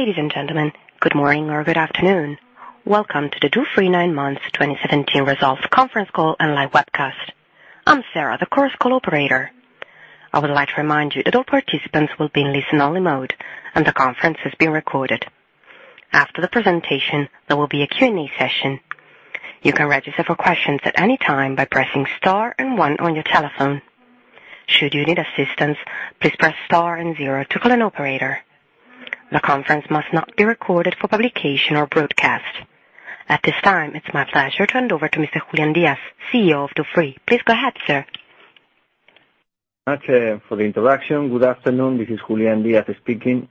Ladies and gentlemen, good morning or good afternoon. Welcome to the Dufry nine months 2017 results conference call and live webcast. I'm Sarah, the conference call operator. I would like to remind you that all participants will be in listen only mode, and the conference is being recorded. After the presentation, there will be a Q&A session. You can register for questions at any time by pressing star and one on your telephone. Should you need assistance, please press star and zero to call an operator. The conference must not be recorded for publication or broadcast. At this time, it's my pleasure to hand over to Mr. Julián Díaz, CEO of Dufry. Please go ahead, sir. Thanks for the introduction. Good afternoon. This is Julián Díaz speaking.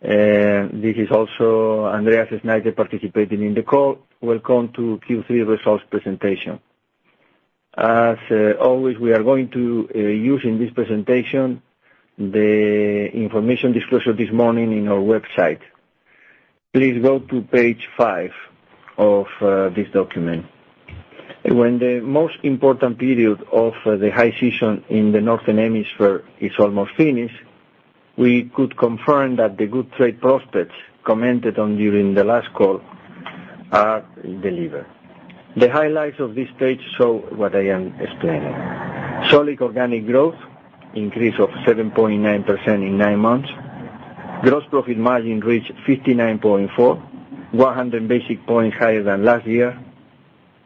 This is also Andreas Schneiter participating in the call. Welcome to Q3 results presentation. As always, we are going to use in this presentation the information disclosure this morning on our website. Please go to page five of this document. When the most important period of the high season in the northern hemisphere is almost finished, we could confirm that the good trade prospects commented on during the last call are delivered. The highlights of this page show what I am explaining. Solid organic growth, increase of 7.9% in nine months. Gross profit margin reached 59.4%, 100 basis points higher than last year.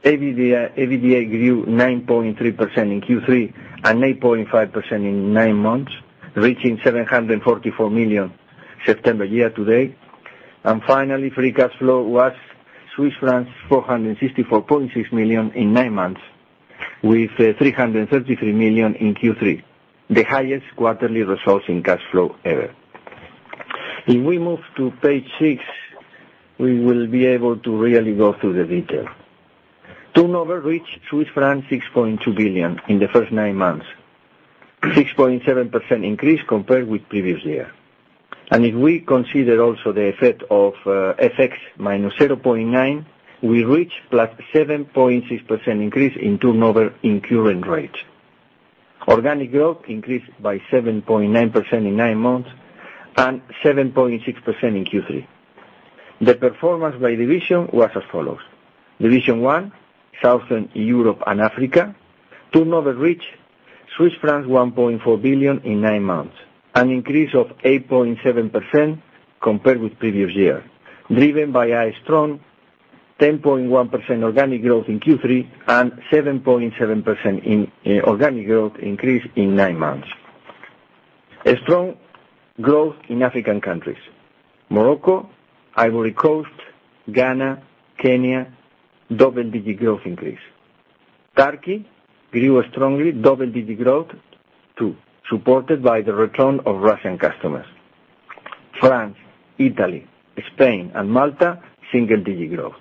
EBITDA grew 9.3% in Q3 and 8.5% in nine months, reaching 744 million September year-to-date. Finally, free cash flow was 464.6 million in nine months, with 333 million in Q3, the highest quarterly results in cash flow ever. If we move to page six, we will be able to really go through the detail. Turnover reached Swiss francs 6.2 billion in the first nine months, 6.7% increase compared with the previous year. If we consider also the effect of FX -0.9%, we reach +7.6% increase in turnover in current rates. Organic growth increased by 7.9% in nine months and 7.6% in Q3. The performance by division was as follows. Division one, Southern Europe and Africa. Turnover reached Swiss francs 1.4 billion in nine months, an increase of 8.7% compared with the previous year, driven by a strong 10.1% organic growth in Q3 and 7.7% in organic growth increase in nine months. A strong growth in African countries. Morocco, Ivory Coast, Ghana, Kenya, double-digit growth increase. Turkey grew strongly, double-digit growth too, supported by the return of Russian customers. France, Italy, Spain, and Malta, single-digit growth.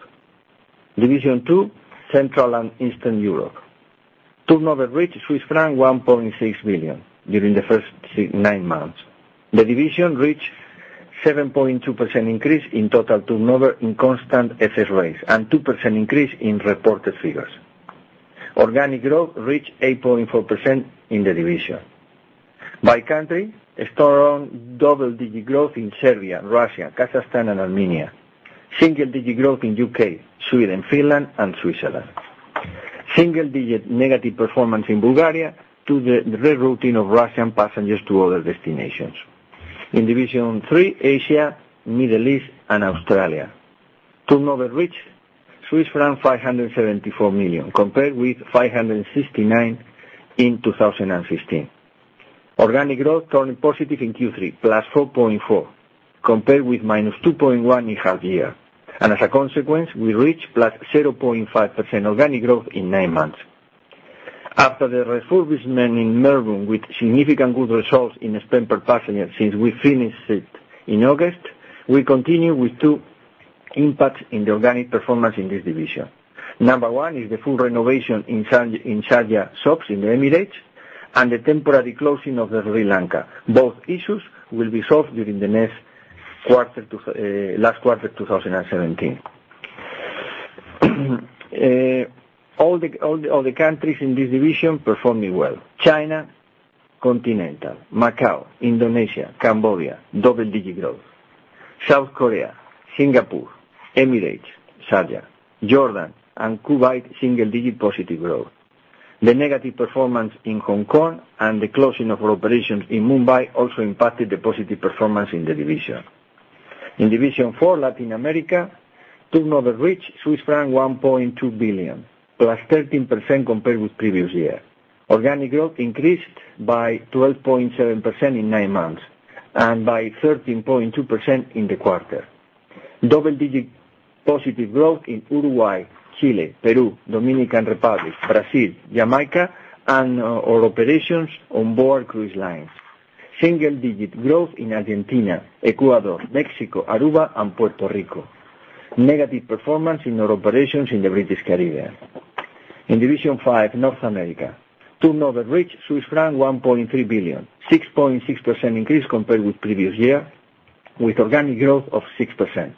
Division two, Central and Eastern Europe. Turnover reached Swiss franc 1.6 billion during the first nine months. The division reached 7.2% increase in total turnover in constant FX rates and 2% increase in reported figures. Organic growth reached 8.4% in the division. By country, a strong double-digit growth in Serbia, Russia, Kazakhstan, and Armenia. Single-digit growth in U.K., Sweden, Finland, and Switzerland. Single-digit negative performance in Bulgaria to the rerouting of Russian passengers to other destinations. In division three, Asia, Middle East, and Australia. Turnover reached Swiss franc 574 million, compared with 569 million in 2016. Organic growth turned positive in Q3, +4.4%, compared with -2.1% in half-year. As a consequence, we reached +0.5% organic growth in nine months. After the refurbishment in Melbourne, with significant good results in spend per passenger since we finished it in August, we continue with two impacts in the organic performance in this division. Number one is the full renovation in Sharjah shops in the Emirates and the temporary closing of Sri Lanka. Both issues will be solved during the last quarter 2017. All the countries in this division performing well. China continental, Macau, Indonesia, Cambodia, double-digit growth. South Korea, Singapore, Emirates, Sharjah, Jordan, and Kuwait, single-digit positive growth. The negative performance in Hong Kong and the closing of our operations in Mumbai also impacted the positive performance in the division. In division 4, Latin America, turnover reached Swiss franc 1.2 billion, +13% compared with the previous year. Organic growth increased by 12.7% in nine months and by 13.2% in the quarter. Double-digit positive growth in Uruguay, Chile, Peru, Dominican Republic, Brazil, Jamaica, and our operations on board cruise lines. Single-digit growth in Argentina, Ecuador, Mexico, Aruba, and Puerto Rico. Negative performance in our operations in the British Caribbean. In division 5, North America. Turnover reached Swiss franc 1.3 billion. 6.6% increase compared with the previous year, with organic growth of 6%.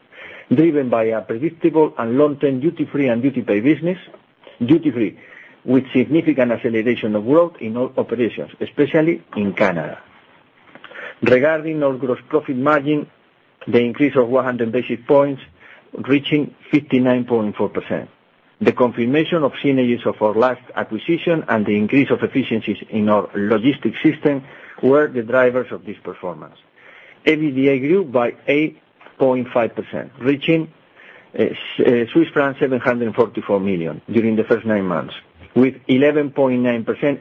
Driven by a predictable and long-term duty-free and duty paid business. Duty-free, with significant acceleration of growth in all operations, especially in Canada. Regarding our gross profit margin, the increase of 100 basis points, reaching 59.4%. The confirmation of synergies of our last acquisition and the increase of efficiencies in our logistics system were the drivers of this performance. EBITDA grew by 8.5%, reaching Swiss francs 744 million during the first nine months, with 11.9%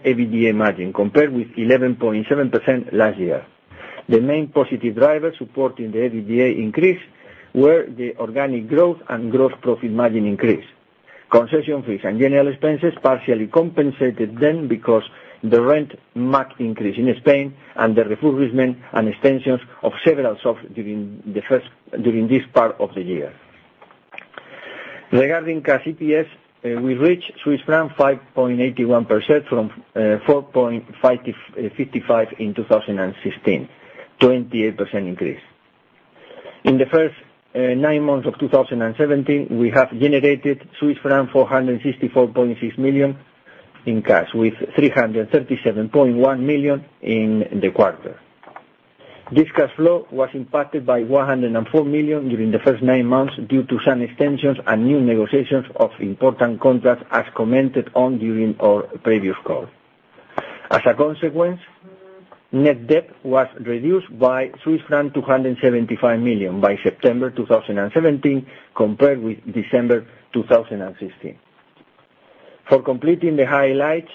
EBITDA margin compared with 11.7% last year. The main positive drivers supporting the EBITDA increase were the organic growth and gross profit margin increase. Concession fees and general expenses partially compensated then because the rent margin increase in Spain and the refurbishment and extensions of several shops during this part of the year. Regarding Cash EPS, we reached Swiss franc 5.81 from 4.55 in 2016, 28% increase. In the first nine months of 2017, we have generated Swiss franc 464.6 million in cash, with 337.1 million in the quarter. This cash flow was impacted by 104 million during the first nine months due to some extensions and new negotiations of important contracts, as commented on during our previous call. As a consequence, net debt was reduced by Swiss franc 275 million by September 2017 compared with December 2016. For completing the highlights,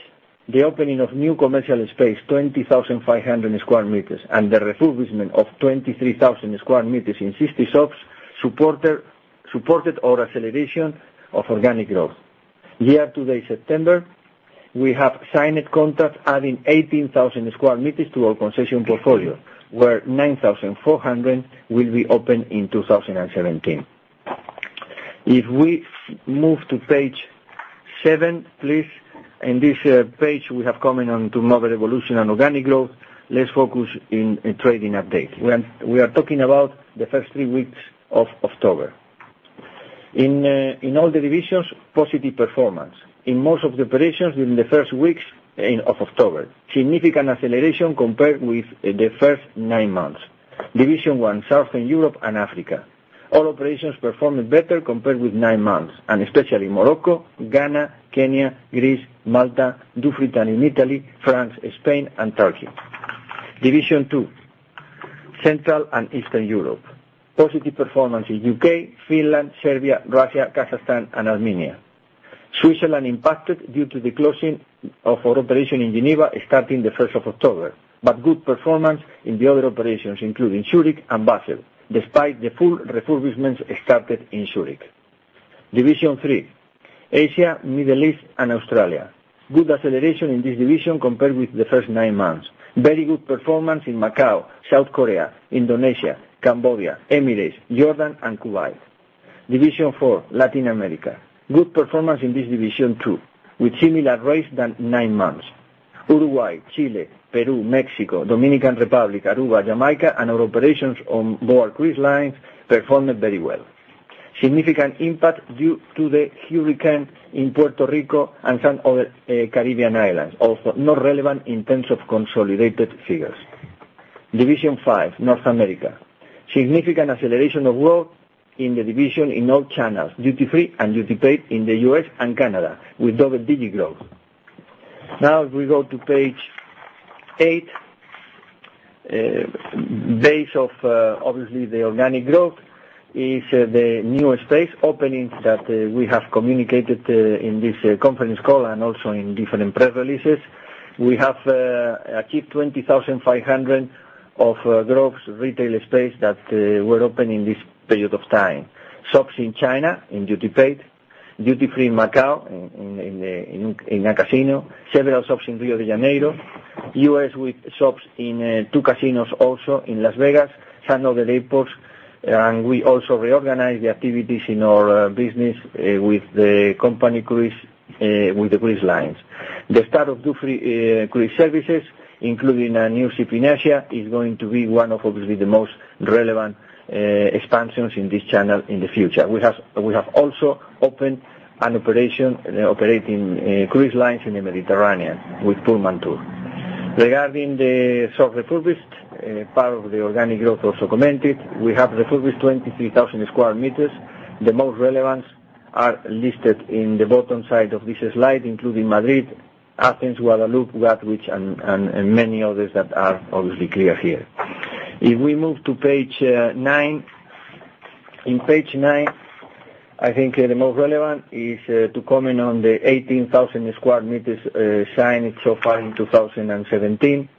the opening of new commercial space, 20,500 sq m, and the refurbishment of 23,000 sq m in 60 shops, supported our acceleration of organic growth. Year-to-date September, we have signed contracts adding 18,000 sq m to our concession portfolio, where 9,400 will be opened in 2017. If we move to page seven, please. In this page, we have comment on to mobile revolution and organic growth. Let's focus in trading update. We are talking about the first three weeks of October. In all the divisions, positive performance. In most of the operations during the first weeks of October, significant acceleration compared with the first nine months. Division 1, Southern Europe and Africa. All operations performed better compared with nine months, especially Morocco, Ghana, Kenya, Greece, Malta, Dufry, and in Italy, France, Spain, and Turkey. Division 2, Central and Eastern Europe. Positive performance in U.K., Finland, Serbia, Russia, Kazakhstan, and Armenia. Switzerland impacted due to the closing of our operation in Geneva starting the 1st of October, but good performance in the other operations, including Zurich and Basel, despite the full refurbishment started in Zurich. Division Three, Asia, Middle East, and Australia. Good acceleration in this division compared with the first nine months. Very good performance in Macau, South Korea, Indonesia, Cambodia, Emirates, Jordan, and Kuwait. Division Four, Latin America. Good performance in this division, too, with similar rates than nine months. Uruguay, Chile, Peru, Mexico, Dominican Republic, Aruba, Jamaica, and our operations on board cruise lines performed very well. Significant impact due to the hurricane in Puerto Rico and some other Caribbean islands, also not relevant in terms of consolidated figures. Division Five, North America. Significant acceleration of growth in the division in all channels, duty-free and duty paid in the U.S. and Canada, with double-digit growth. If we go to page eight. Base of the organic growth is the new space openings that we have communicated in this conference call and also in different press releases. We have achieved 20,500 of growth retail space that were opened in this period of time. Shops in China in duty paid, duty-free in Macau, in a casino, several shops in Rio de Janeiro, U.S. with shops in two casinos also in Las Vegas, some other airports, and we also reorganized the activities in our business with the company cruise, with the cruise lines. The start of Dufry Cruise Services, including a new ship in Asia, is going to be one of the most relevant expansions in this channel in the future. We have also opened an operation operating cruise lines in the Mediterranean with Pullmantur. Regarding the shop refurbished, part of the organic growth also commented, we have refurbished 23,000 square meters. The most relevant are listed in the bottom side of this slide, including Madrid, Athens, Guadeloupe, Gatwick, and many others that are clear here. If we move to page nine. In page nine, the most relevant is to comment on the 18,000 square meters signed so far in 2017.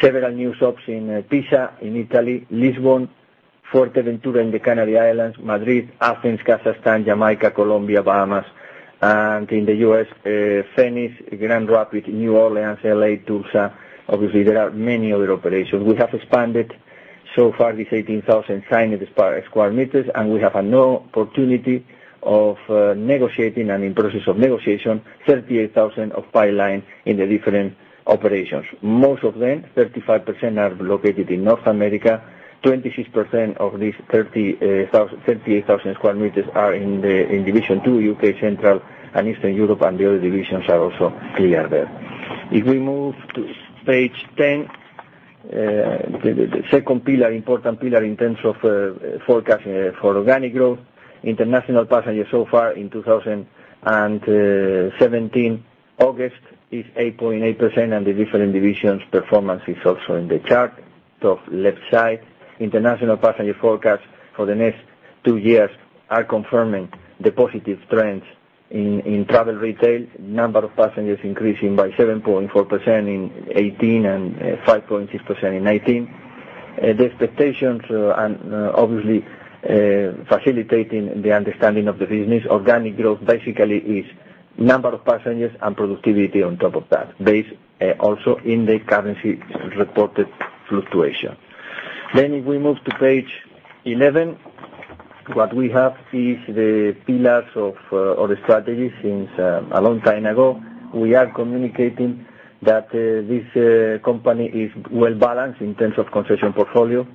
Several new shops in Pisa in Italy, Lisbon, Fuerteventura in the Canary Islands, Madrid, Athens, Kazakhstan, Jamaica, Colombia, Bahamas, and in the U.S., Phoenix, Grand Rapids, New Orleans, L.A., Tulsa. There are many other operations. We have expanded so far, this 18,000 signed square meters, and we have a new opportunity of negotiating, and in process of negotiation, 38,000 of pipeline in the different operations. Most of them, 35%, are located in North America, 26% of these 38,000 square meters are in Division Two, U.K. Central and Eastern Europe, and the other divisions are also clear there. If we move to page 10, the second important pillar in terms of forecasting for organic growth, international passengers so far in 2017, August, is 8.8%, and the different divisions performance is also in the chart, top left side. International passenger forecast for the next two years are confirming the positive trends in travel retail. Number of passengers increasing by 7.4% in 2018 and 5.6% in 2019. The expectations, facilitating the understanding of the business, organic growth basically is number of passengers and productivity on top of that, based also in the currency-reported fluctuation. If we move to page 11, what we have is the pillars of the strategy since a long time ago. We are communicating that this company is well-balanced in terms of concession portfolio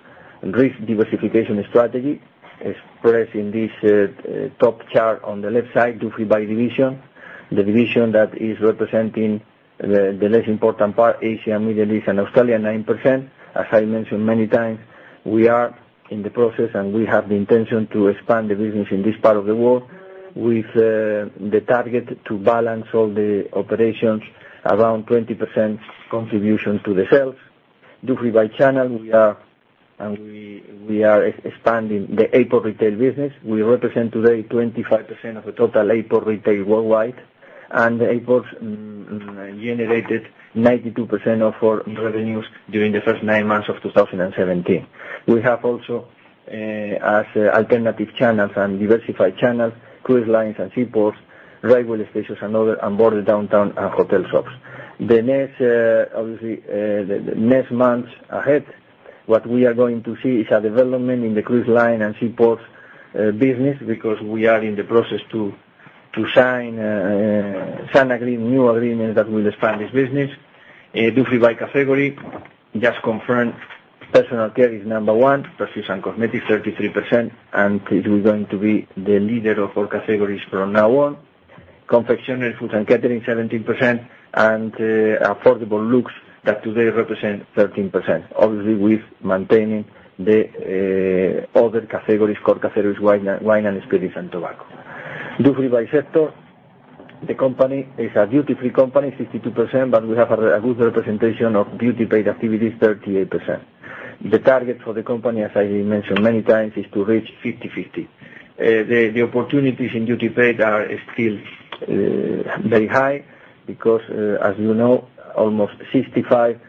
and risk diversification strategy, expressed in this top chart on the left side, duty-free by division, the division that is representing the less important part, Asia, Middle East, and Australia, 9%. As I mentioned many times, we are in the process, and we have the intention to expand the business in this part of the world with the target to balance all the operations around 20% contribution to the sales. Duty-free by channel, we are expanding the airport retail business. We represent today 25% of the total airport retail worldwide, and airports generated 92% of our revenues during the first 9 months of 2017. We have also, as alternative channels and diversified channels, cruise lines and seaports, railway stations and border downtown and hotel shops. Obviously, the next months ahead, what we are going to see is a development in the cruise line and seaports business, because we are in the process to sign a new agreement that will expand this business. Duty-free by category, just confirm personal care is number 1, perfumes and cosmetics, 33%, and it is going to be the leader of all categories from now on. Confectionery, foods and catering, 17%, and affordable lux that today represent 13%. Obviously, with maintaining the other categories, core categories, wine and spirits, and tobacco. Duty-free by sector, the company is a duty-free company, 62%, but we have a good representation of duty paid activities, 38%. The target for the company, as I mentioned many times, is to reach 50/50. The opportunities in duty paid are still very high because, as you know, almost 65%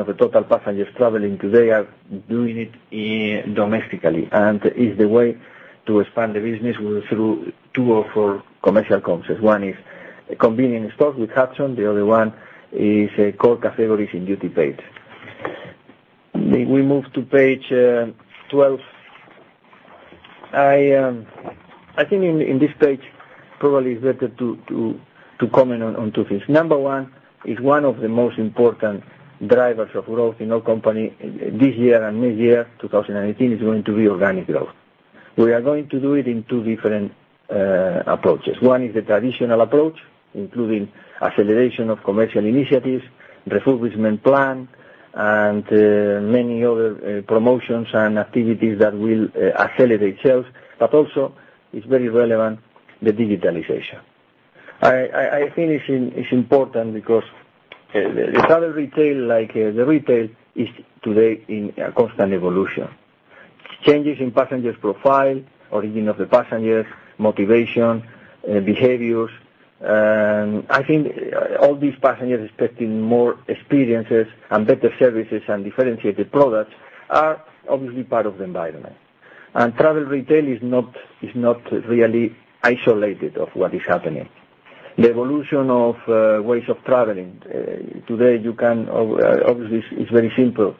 of the total passengers traveling today are doing it domestically, and it's the way to expand the business through two of our commercial concepts. One is convenience stores with Hudson. The other one is core categories in duty paid. We move to page 12. I think in this page, probably it's better to comment on two things. Number 1 is one of the most important drivers of growth in our company this year and mid-year 2018 is going to be organic growth. We are going to do it in two different approaches. One is the traditional approach, including acceleration of commercial initiatives, refurbishment plan, and many other promotions and activities that will accelerate sales. Also, it's very relevant, the digitalization. I think it's important because the travel retail, like the retail, is today in a constant evolution. Changes in passengers profile, origin of the passengers, motivation, behaviors. I think all these passengers expecting more experiences and better services and differentiated products are obviously part of the environment. Travel retail is not really isolated of what is happening. The evolution of ways of traveling, today, obviously, it's very simple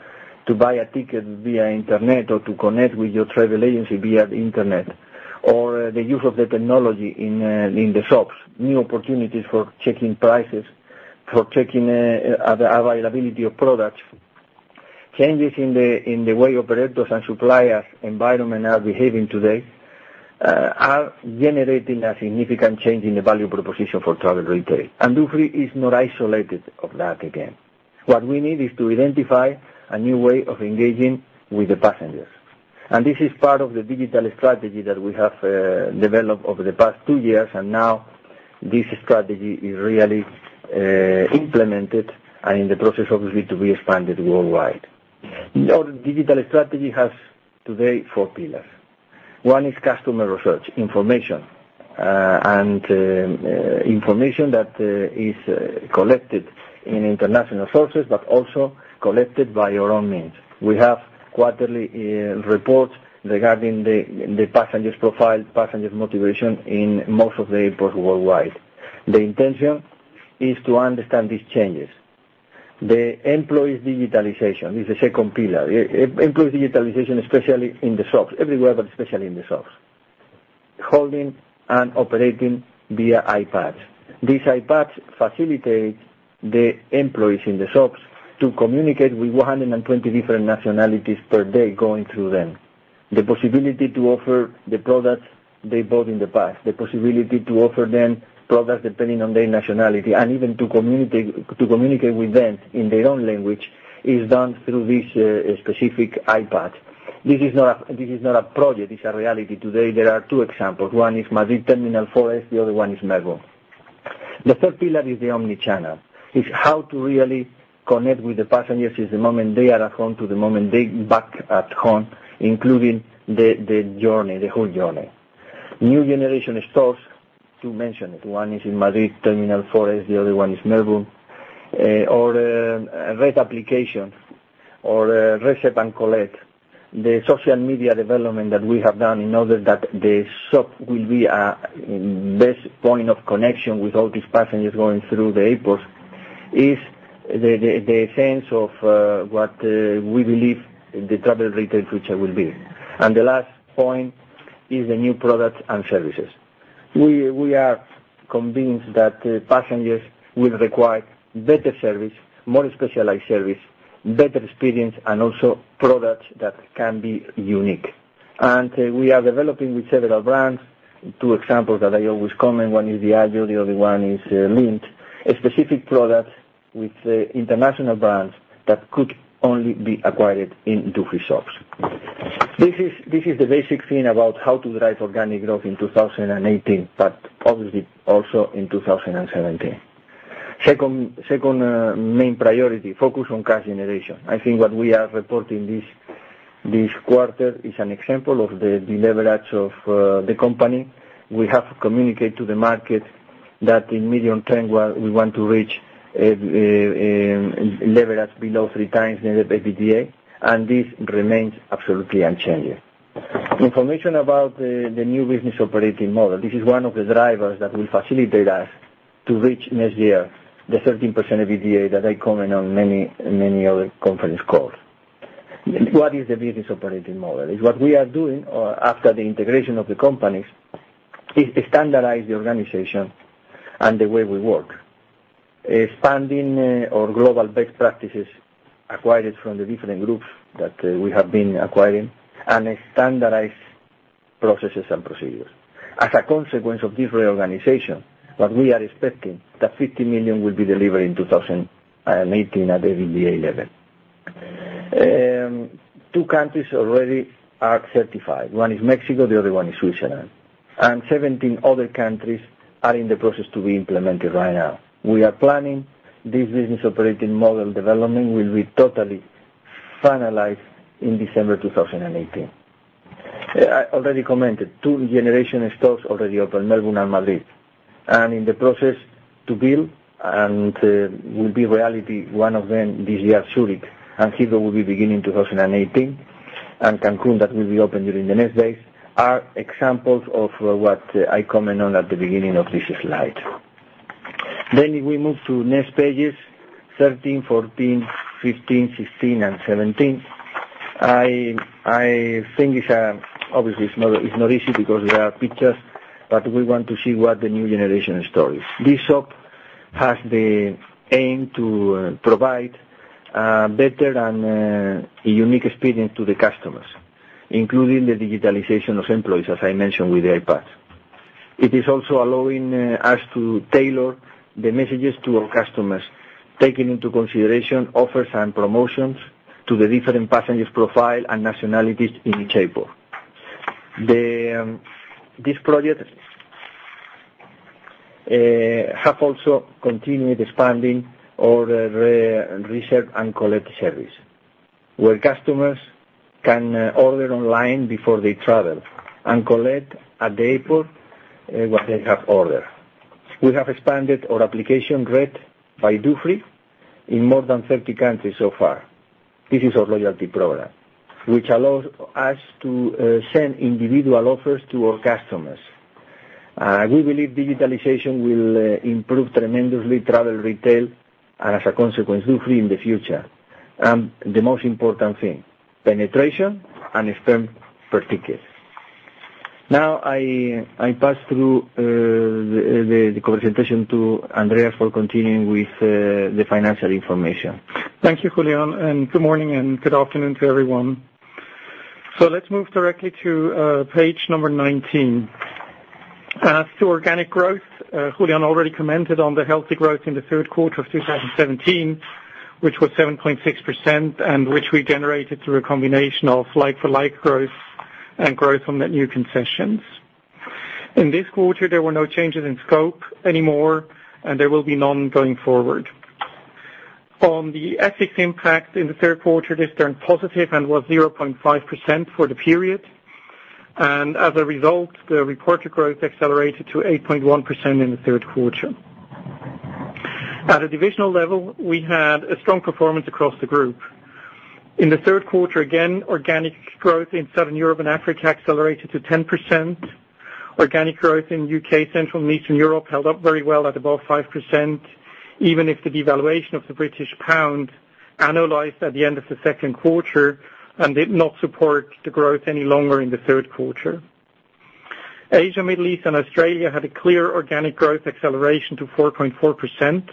to buy a ticket via internet or to connect with your travel agency via the internet. The use of the technology in the shops, new opportunities for checking prices, for checking the availability of products. Changes in the way operators and suppliers environment are behaving today are generating a significant change in the value proposition for travel retail. Duty-free is not isolated of that again. What we need is to identify a new way of engaging with the passengers. This is part of the digital strategy that we have developed over the past 2 years, and now this strategy is really implemented and in the process, obviously, to be expanded worldwide. Our digital strategy has today 4 pillars. One is customer research information that is collected in international sources, but also collected by our own means. We have quarterly reports regarding the passengers profile, passengers motivation in most of the airports worldwide. The intention is to understand these changes. The employees digitalization is the second pillar. Employee digitalization, especially in the shops. Everywhere, but especially in the shops. Holding and operating via iPads. These iPads facilitate the employees in the shops to communicate with 120 different nationalities per day going through them. The possibility to offer the products they bought in the past, the possibility to offer them products depending on their nationality, and even to communicate with them in their own language, is done through these specific iPads. This is not a project, it's a reality. Today, there are two examples. One is Madrid Terminal 4S, the other one is Melbourne. The third pillar is the omni-channel. It's how to really connect with the passengers since the moment they are at home to the moment they back at home, including the whole journey. New generation stores, to mention it, one is in Madrid Terminal 4S, the other one is Melbourne. Or RED application, or Reserve and Collect. The social media development that we have done in order that the shop will be a best point of connection with all these passengers going through the airports, is the sense of what we believe the travel retail future will be. The last point is the new products and services. We are convinced that passengers will require better service, more specialized service, better experience, and also products that can be unique. We are developing with several brands. Two examples that I always comment, one is Diageo, the other one is Lindt. A specific product with international brands that could only be acquired in Dufry shops. This is the basic thing about how to drive organic growth in 2018, but obviously also in 2017. Second main priority, focus on cash generation. I think what we are reporting this quarter is an example of the leverage of the company. We have communicated to the market that in medium-term, we want to reach leverage below 3 times net EBITDA, this remains absolutely unchanged. Information about the new business operating model. This is one of the drivers that will facilitate us to reach next year the 13% EBITDA that I comment on many other conference calls. What is the business operating model? It's what we are doing after the integration of the companies, is standardize the organization and the way we work. Expanding our global best practices acquired from the different groups that we have been acquiring, standardize processes and procedures. As a consequence of this reorganization, what we are expecting, that 50 million will be delivered in 2018 at the EBITDA level. Two countries already are certified. One is Mexico, the other one is Switzerland, 17 other countries are in the process to be implemented right now. We are planning this business operating model development will be totally finalized in December 2018. I already commented, two new generation stores already open, Melbourne and Madrid, and in the process to build and will be reality, one of them this year, Zurich, and Heathrow will be beginning 2018, and Cancun, that will be open during the next days, are examples of what I comment on at the beginning of this slide. We move to next pages, 13, 14, 15, 16 and 17. I think, obviously, it's not easy because there are pictures, but we want to see what the new generation store is. This shop has the aim to provide a better and a unique experience to the customers, including the digitalization of employees, as I mentioned with the iPads. It is also allowing us to tailor the messages to our customers, taking into consideration offers and promotions to the different passengers profile and nationalities in each airport. This project have also continued expanding our Reserve and Collect service, where customers can order online before they travel and collect at the airport what they have ordered. We have expanded our application, RED by Dufry, in more than 30 countries so far. This is our loyalty program, which allows us to send individual offers to our customers. We believe digitalization will improve tremendously travel retail, and as a consequence, Dufry in the future. The most important thing, penetration and spend per ticket. Now, I pass through the presentation to Andreas for continuing with the financial information. Thank you, Julián, and good morning and good afternoon to everyone. Let's move directly to page number 19. As to organic growth, Julián already commented on the healthy growth in the third quarter of 2017, which was 7.6% and which we generated through a combination of like-for-like growth and growth from the new concessions. In this quarter, there were no changes in scope anymore, and there will be none going forward. On the FX impact in the third quarter, this turned positive and was 0.5% for the period. As a result, the reported growth accelerated to 8.1% in the third quarter. At a divisional level, we had a strong performance across the group. In the third quarter, again, organic growth in Southern Europe and Africa accelerated to 10%. Organic growth in U.K., Central and Eastern Europe held up very well at above 5%, even if the devaluation of the British pound analyzed at the end of the second quarter and did not support the growth any longer in the third quarter. Asia, Middle East, and Australia had a clear organic growth acceleration to 4.4%.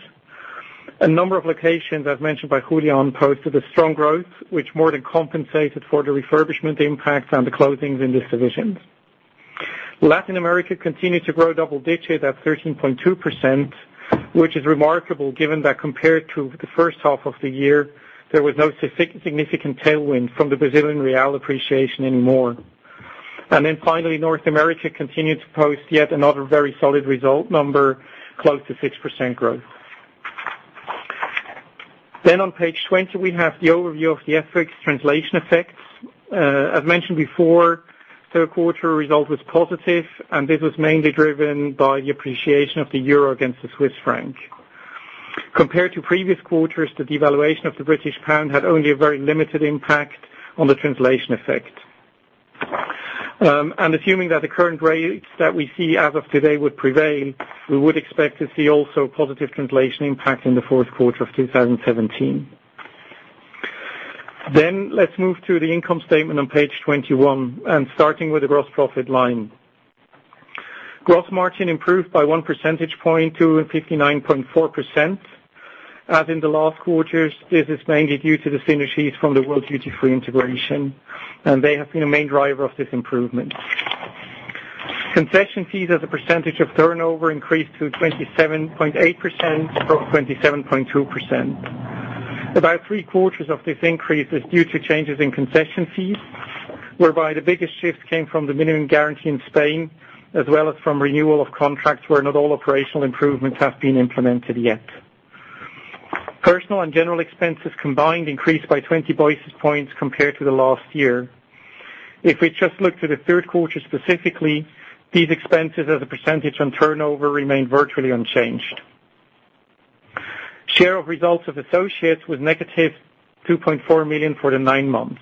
A number of locations, as mentioned by Julián, posted a strong growth, which more than compensated for the refurbishment impacts and the closings in this division. Latin America continued to grow double digits at 13.2%, which is remarkable given that compared to the first half of the year, there was no significant tailwind from the Brazilian real appreciation anymore. Finally, North America continued to post yet another very solid result number, close to 6% growth. On page 20, we have the overview of the FX translation effects. I've mentioned before, third quarter result was positive, this was mainly driven by the appreciation of the euro against the Swiss franc. Compared to previous quarters, the devaluation of the British pound had only a very limited impact on the translation effect. Assuming that the current rates that we see as of today would prevail, we would expect to see also a positive translation impact in the fourth quarter of 2017. Let's move to the income statement on page 21 and starting with the gross profit line. Gross margin improved by one percentage point to 59.4%. As in the last quarters, this is mainly due to the synergies from the World Duty Free integration, and they have been a main driver of this improvement. Concession fees as a percentage of turnover increased to 27.8% from 27.2%. About three quarters of this increase is due to changes in concession fees, whereby the biggest shift came from the minimum guarantee in Spain, as well as from renewal of contracts where not all operational improvements have been implemented yet. Personal and general expenses combined increased by 20 basis points compared to the last year. If we just look to the third quarter specifically, these expenses as a percentage on turnover remained virtually unchanged. Share of results of associates was negative 2.4 million for the nine months.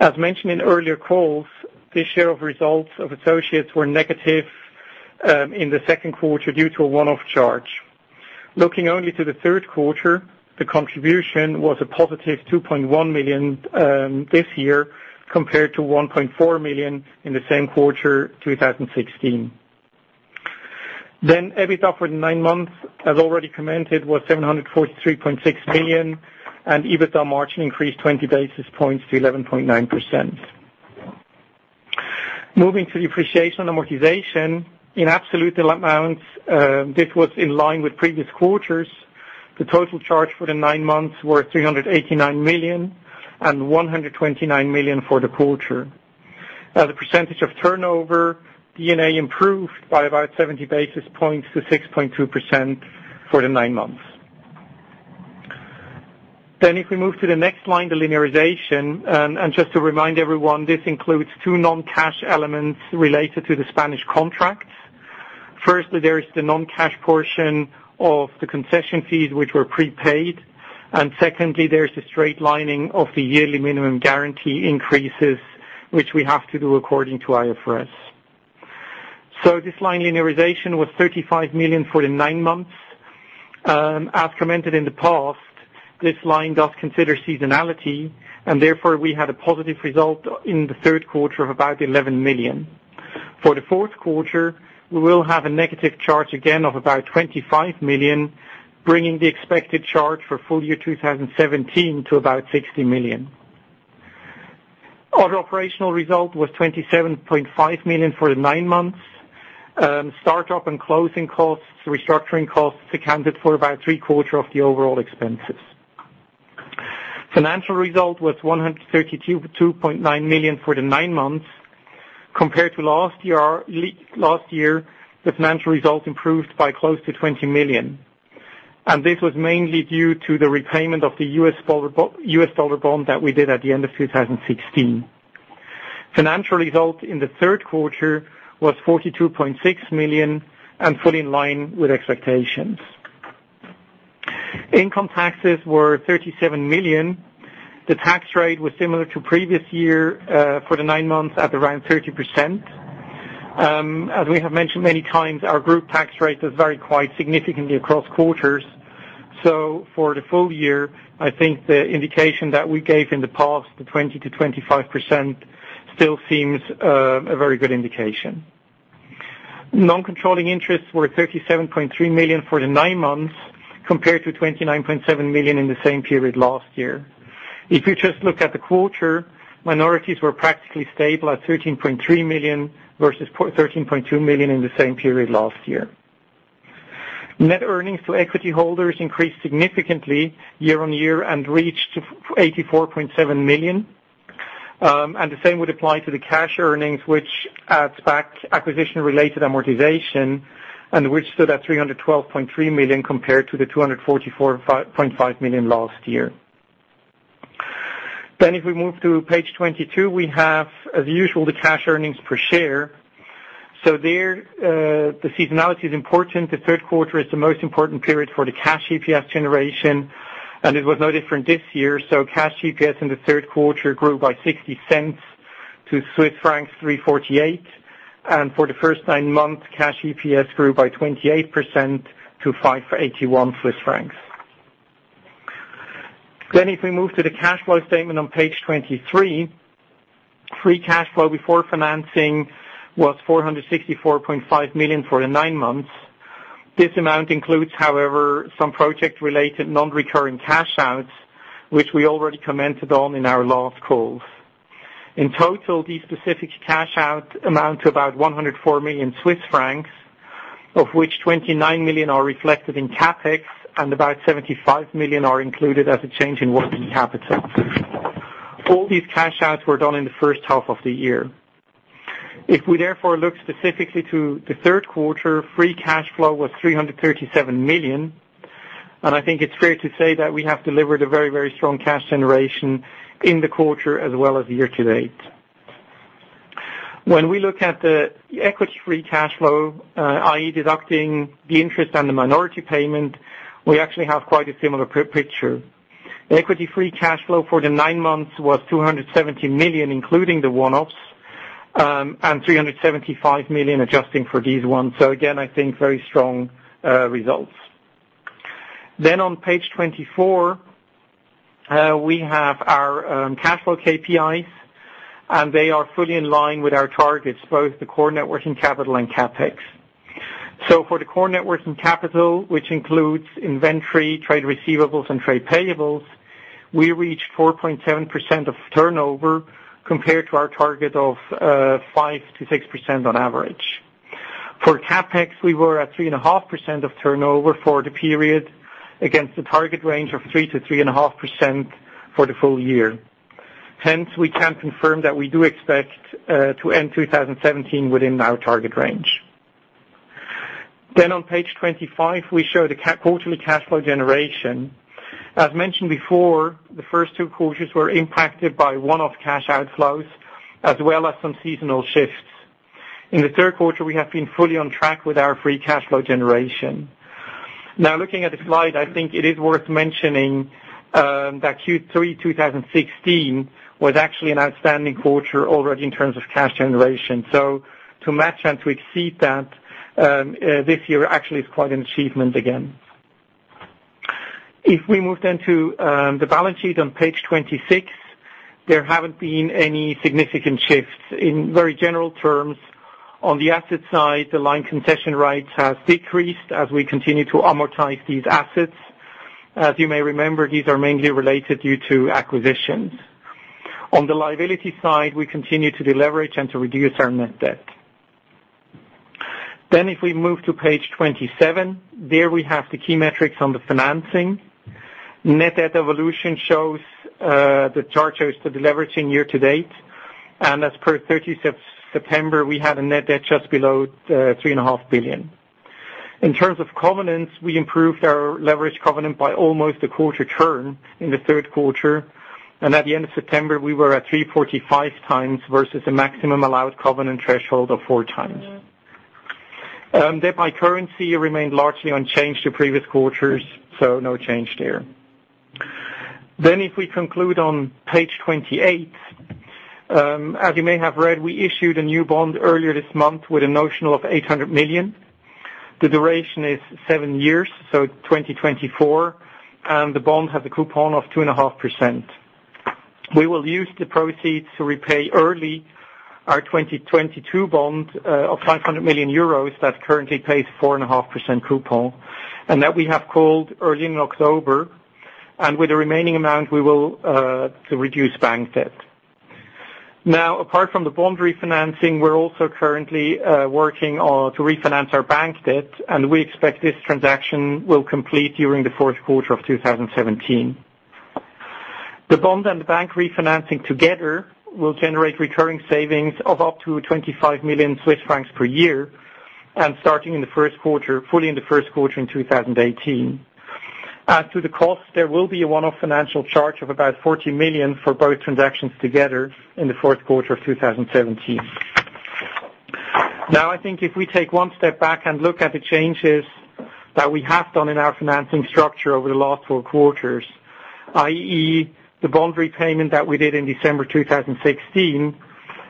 As mentioned in earlier calls, the share of results of associates were negative in the second quarter due to a one-off charge. Looking only to the third quarter, the contribution was a positive 2.1 million this year compared to 1.4 million in the same quarter 2016. EBITDA for the nine months, as already commented, was 743.6 million, and EBITDA margin increased 20 basis points to 11.9%. Moving to the depreciation and amortization, in absolute amounts, this was in line with previous quarters. The total charge for the nine months were 389 million and 129 million for the quarter. As a percentage of turnover, D&A improved by about 70 basis points to 6.2% for the nine months. If we move to the next line, the linearization. Just to remind everyone, this includes two non-cash elements related to the Spanish contracts. Firstly, there is the non-cash portion of the concession fees, which were prepaid. Secondly, there's the straight lining of the yearly minimum guarantee increases, which we have to do according to IFRS. This line linearization was 35 million for the nine months. As commented in the past, this line does consider seasonality, and therefore, we had a positive result in the third quarter of about 11 million. For the fourth quarter, we will have a negative charge again of about 25 million, bringing the expected charge for full year 2017 to about 60 million. Other operational result was 27.5 million for the nine months. Start-up and closing costs, restructuring costs accounted for about three-quarter of the overall expenses. Financial result was 132.9 million for the nine months. Compared to last year, the financial result improved by close to 20 million. This was mainly due to the repayment of the US dollar bond that we did at the end of 2016. Financial result in the third quarter was 42.6 million and fully in line with expectations. Income taxes were 37 million. The tax rate was similar to previous year, for the nine months at around 30%. As we have mentioned many times, our group tax rate does vary quite significantly across quarters. For the full year, I think the indication that we gave in the past, the 20%-25%, still seems a very good indication. Non-controlling interests were 37.3 million for the nine months, compared to 29.7 million in the same period last year. If you just look at the quarter, minorities were practically stable at 13.3 million, versus 13.2 million in the same period last year. Net earnings to equity holders increased significantly year-on-year and reached 84.7 million. The same would apply to the cash earnings, which adds back acquisition-related amortization and which stood at 312.3 million compared to 244.5 million last year. If we move to page 22, we have, as usual, the cash earnings per share. There, the seasonality is important. The third quarter is the most important period for the cash EPS generation, and it was no different this year. Cash EPS in the third quarter grew by 0.60 to Swiss francs 3.48. For the first nine months, cash EPS grew by 28% to 5.81 Swiss francs. If we move to the cash flow statement on page 23, free cash flow before financing was 464.5 million for the nine months. This amount includes, however, some project-related non-recurring cash outs, which we already commented on in our last calls. In total, these specific cash outs amount to about 104 million Swiss francs, of which 29 million are reflected in CapEx, and about 75 million are included as a change in working capital. All these cash outs were done in the first half of the year. If we therefore look specifically to the third quarter, free cash flow was 337 million, and I think it's fair to say that we have delivered a very strong cash generation in the quarter, as well as year-to-date. When we look at the equity free cash flow, i.e. deducting the interest and the minority payment, we actually have quite a similar picture. Equity free cash flow for the nine months was 270 million, including the one-offs, and 375 million adjusting for these ones. Again, I think very strong results. On page 24, we have our cash flow KPIs, and they are fully in line with our targets, both the core net working capital and CapEx. For the core net working capital, which includes inventory, trade receivables, and trade payables, we reached 4.7% of turnover compared to our target of 5%-6% on average. For CapEx, we were at 3.5% of turnover for the period against the target range of 3%-3.5% for the full year. Hence, we can confirm that we do expect to end 2017 within our target range. On page 25, we show the quarterly cash flow generation. As mentioned before, the first two quarters were impacted by one-off cash outflows, as well as some seasonal shifts. In the third quarter, we have been fully on track with our free cash flow generation. Now looking at the slide, I think it is worth mentioning that Q3 2016 was actually an outstanding quarter already in terms of cash generation. To match and to exceed that this year actually is quite an achievement again. If we move then to the balance sheet on page 26, there haven't been any significant shifts. In very general terms, on the asset side, the line concession rights has decreased as we continue to amortize these assets. As you may remember, these are mainly related due to acquisitions. On the liability side, we continue to deleverage and to reduce our net debt. If we move to page 27, there we have the key metrics on the financing. Net debt evolution shows the charters to deleveraging year to date, and as per 30th September, we had a net debt just below 3.5 billion. In terms of covenants, we improved our leverage covenant by almost a quarter turn in the third quarter, and at the end of September, we were at 3.45 times versus the maximum allowed covenant threshold of four times. Debt by currency remained largely unchanged to previous quarters. No change there. If we conclude on page 28, as you may have read, we issued a new bond earlier this month with a notional of 800 million. The duration is seven years, so 2024, and the bond has a coupon of 2.5%. We will use the proceeds to repay early our 2022 bond of 500 million euros that currently pays 4.5% coupon, and that we have called early in October. With the remaining amount we will reduce bank debt. Apart from the bond refinancing, we're also currently working to refinance our bank debt, and we expect this transaction will complete during the fourth quarter of 2017. The bond and the bank refinancing together will generate recurring savings of up to 25 million Swiss francs per year, starting in the first quarter, fully in the first quarter in 2018. As to the cost, there will be a one-off financial charge of about CHF 40 million for both transactions together in the fourth quarter of 2017. I think if we take one step back and look at the changes that we have done in our financing structure over the last four quarters, i.e. the bond repayment that we did in December 2016,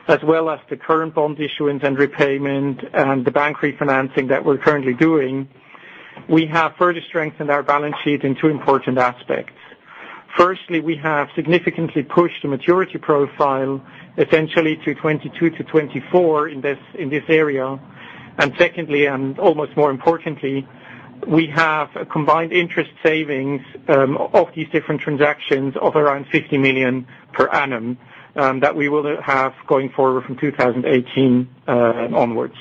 as well as the current bond issuance and repayment and the bank refinancing that we're currently doing, we have further strengthened our balance sheet in two important aspects. Firstly, we have significantly pushed the maturity profile essentially to 2022-2024 in this area. Secondly, and almost more importantly, we have a combined interest savings of these different transactions of around 50 million per annum that we will have going forward from 2018 onwards.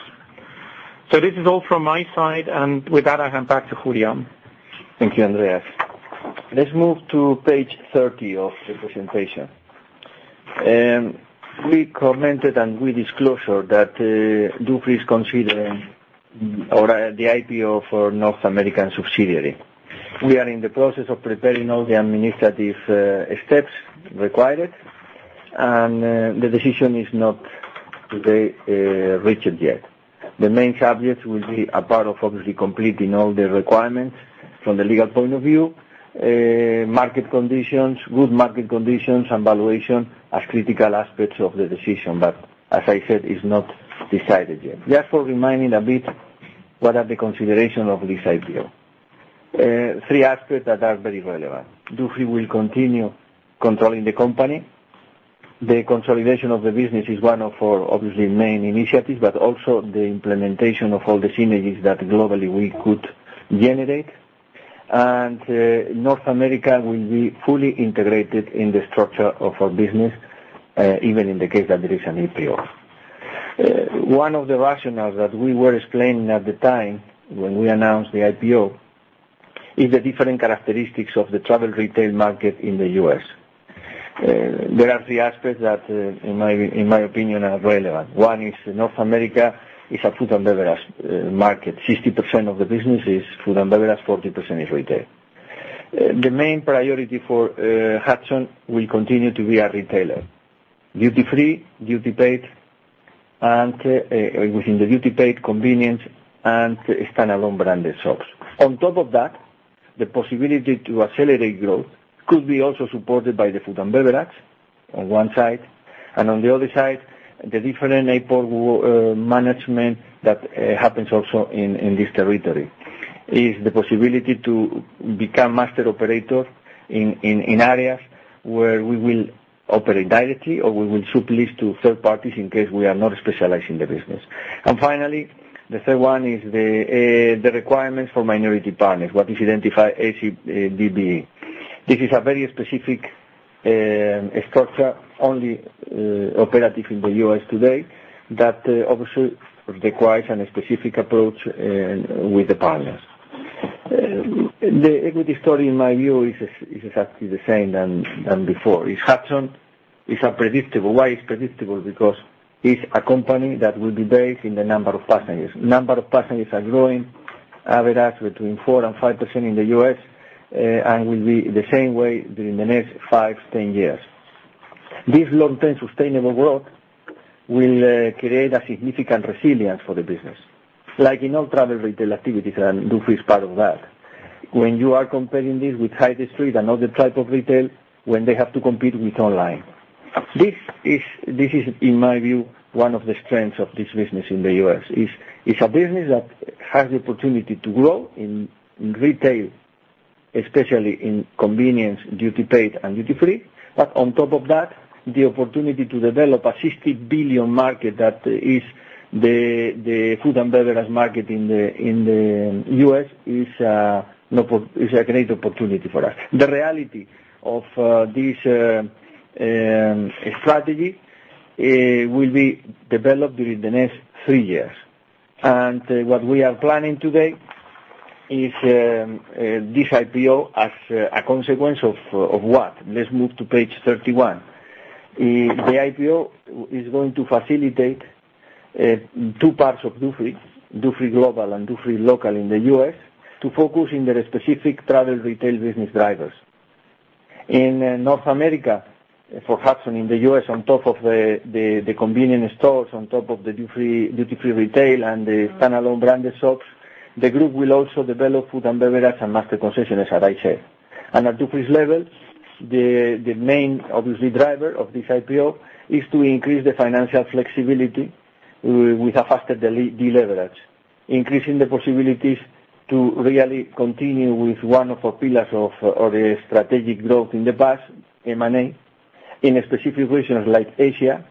This is all from my side, and with that, I hand back to Julián. Thank you, Andreas. Let's move to page 30 of the presentation. We commented and we disclosure that Dufry is considering the IPO for North American subsidiary. We are in the process of preparing all the administrative steps required, the decision is not today reached yet. The main subjects will be a part of, obviously, completing all the requirements from the legal point of view, market conditions, good market conditions, and valuation as critical aspects of the decision. As I said, it's not decided yet. Just for reminding a bit what are the consideration of this IPO. Three aspects that are very relevant. Dufry will continue controlling the company. The consolidation of the business is one of our, obviously, main initiatives, but also the implementation of all the synergies that globally we could generate. North America will be fully integrated in the structure of our business, even in the case that there is an IPO. One of the rationales that we were explaining at the time when we announced the IPO is the different characteristics of the travel retail market in the U.S. There are three aspects that, in my opinion, are relevant. One is North America is a food and beverage market. 60% of the business is food and beverage, 40% is retail. The main priority for Hudson will continue to be a retailer, duty-free, duty paid, and within the duty paid, convenience, and standalone branded shops. On top of that, the possibility to accelerate growth could be also supported by the food and beverages on one side, and on the other side, the different airport management that happens also in this territory, is the possibility to become master operator in areas where we will operate directly, or we will sublease to third parties in case we are not specialized in the business. Finally, the third one is the requirements for minority partners. What is identified ACDBE. This is a very specific structure, only operative in the U.S. today that obviously requires a specific approach with the partners. The equity story, in my view, is exactly the same than before. If Hudson is unpredictable. Why it's unpredictable? Because it's a company that will be based on the number of passengers. Number of passengers are growing, average between 4% and 5% in the U.S., and will be the same way during the next five, 10 years. This long-term sustainable growth will create a significant resilience for the business. Like in all travel retail activities, Dufry is part of that. When you are comparing this with high street and other type of retail, when they have to compete with online. This is, in my view, one of the strengths of this business in the U.S., is a business that has the opportunity to grow in retail, especially in convenience, duty paid, and duty-free. On top of that, the opportunity to develop a $60 billion market that is the food and beverage market in the U.S. is a great opportunity for us. The reality of this strategy will be developed during the next three years. What we are planning today is this IPO as a consequence of what? Let's move to page 31. The IPO is going to facilitate two parts of Dufry global and Dufry local in the U.S., to focus on their specific travel retail business drivers. In North America, for Hudson in the U.S., on top of the convenient stores, on top of the duty-free retail, and the standalone branded shops, the group will also develop food and beverages and master concessions, as I said. At Dufry's level, the main, obviously, driver of this IPO is to increase the financial flexibility with a faster deleverage, increasing the possibilities to really continue with one of our pillars of the strategic growth in the past, M&A, in specific regions like Asia,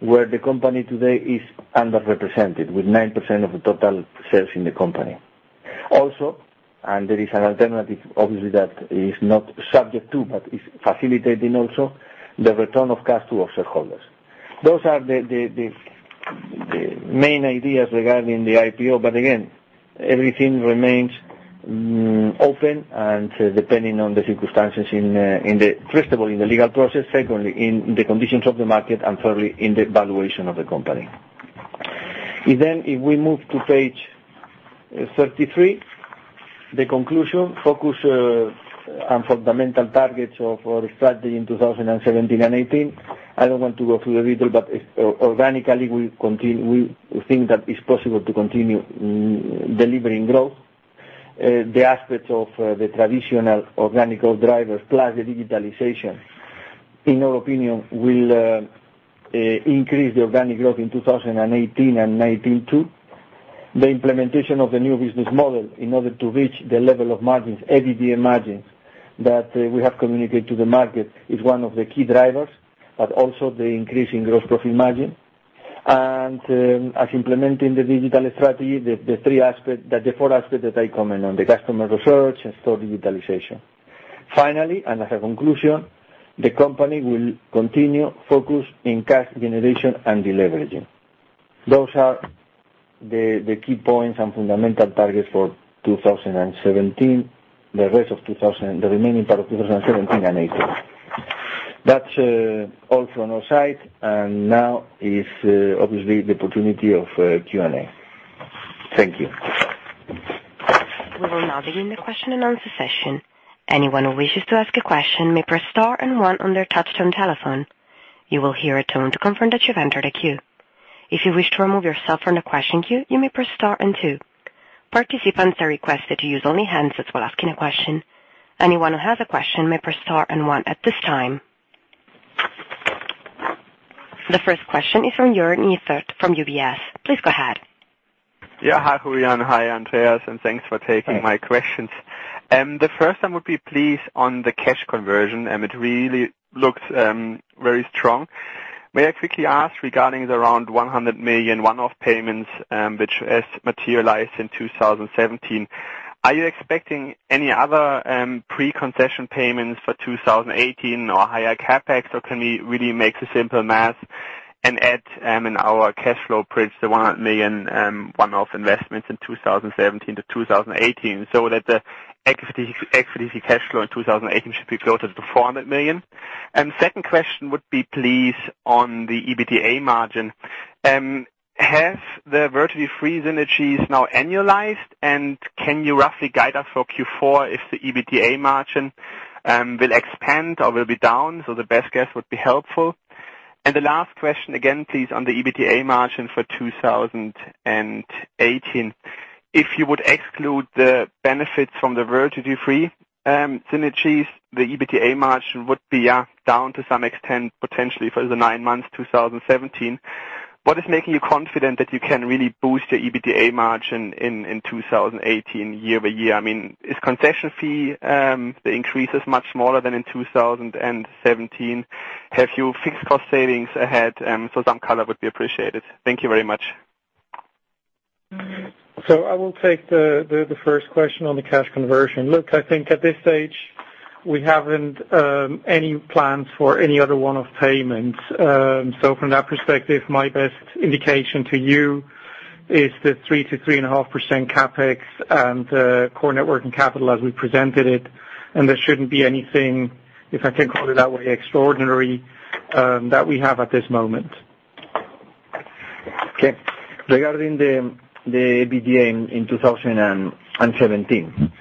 where the company today is underrepresented with 9% of the total sales in the company. There is an alternative, obviously, that is not subject to, but is facilitating also the return of cash to our shareholders. Those are the main ideas regarding the IPO. Again, everything remains open and depending on the circumstances, first of all, in the legal process, secondly, in the conditions of the market, and thirdly, in the valuation of the company. If we move to page 33, the conclusion, focus, and fundamental targets of our strategy in 2017 and 2018. I don't want to go through the detail, but organically, we think that it's possible to continue delivering growth. The aspects of the traditional organic drivers plus the digitalization, in our opinion, will increase the organic growth in 2018 and 2019 too. The implementation of the new business model in order to reach the level of margins, EBITDA margins that we have communicated to the market is one of the key drivers, but also the increase in gross profit margin. As implementing the digital strategy, the four aspects that I comment on, the customer research and store digitalization. As a conclusion, the company will continue focus on cash generation and deleveraging. Those are the key points and fundamental targets for 2017, the remaining part of 2017 and 2018. That's all from our side, now is obviously the opportunity of Q&A. Thank you. We will now begin the question and answer session. Anyone who wishes to ask a question may press star 1 on their touchtone telephone. You will hear a tone to confirm that you've entered a queue. If you wish to remove yourself from the question queue, you may press star 2. Participants are requested to use only handsets while asking a question. Anyone who has a question may press star 1 at this time. The first question is from Joern Iffert from UBS. Please go ahead. Yeah. Hi, Julián. Hi, Andreas, thanks for taking my questions. The first one would be, please, on the cash conversion. It really looks very strong. May I quickly ask regarding the around 100 million one-off payments, which has materialized in 2017? Are you expecting any other pre-concession payments for 2018 or higher CapEx? Can we really make the simple math and add in our cash flow bridge, the 100 million one-off investments in 2017 to 2018, so that the FCFE cash flow in 2018 should be closer to 400 million? Second question would be, please, on the EBITDA margin. Have the World Duty Free synergies now annualized, and can you roughly guide us for Q4 if the EBITDA margin will expand or will be down? The best guess would be helpful. The last question, again, please, on the EBITDA margin for 2018. If you would exclude the benefits from the World Duty Free synergies, the EBITDA margin would be down to some extent, potentially for the nine months 2017. What is making you confident that you can really boost your EBITDA margin in 2018 year-over-year? I mean, is concession fee, the increase much smaller than in 2017? Have you fixed cost savings ahead? Some color would be appreciated. Thank you very much. I will take the first question on the cash conversion. Look, I think at this stage, we haven't any plans for any other one-off payments. From that perspective, my best indication to you is the 3%-3.5% CapEx and core networking capital as we presented it. There shouldn't be anything, if I can call it that way, extraordinary, that we have at this moment. Okay. Regarding the EBITDA in 2017.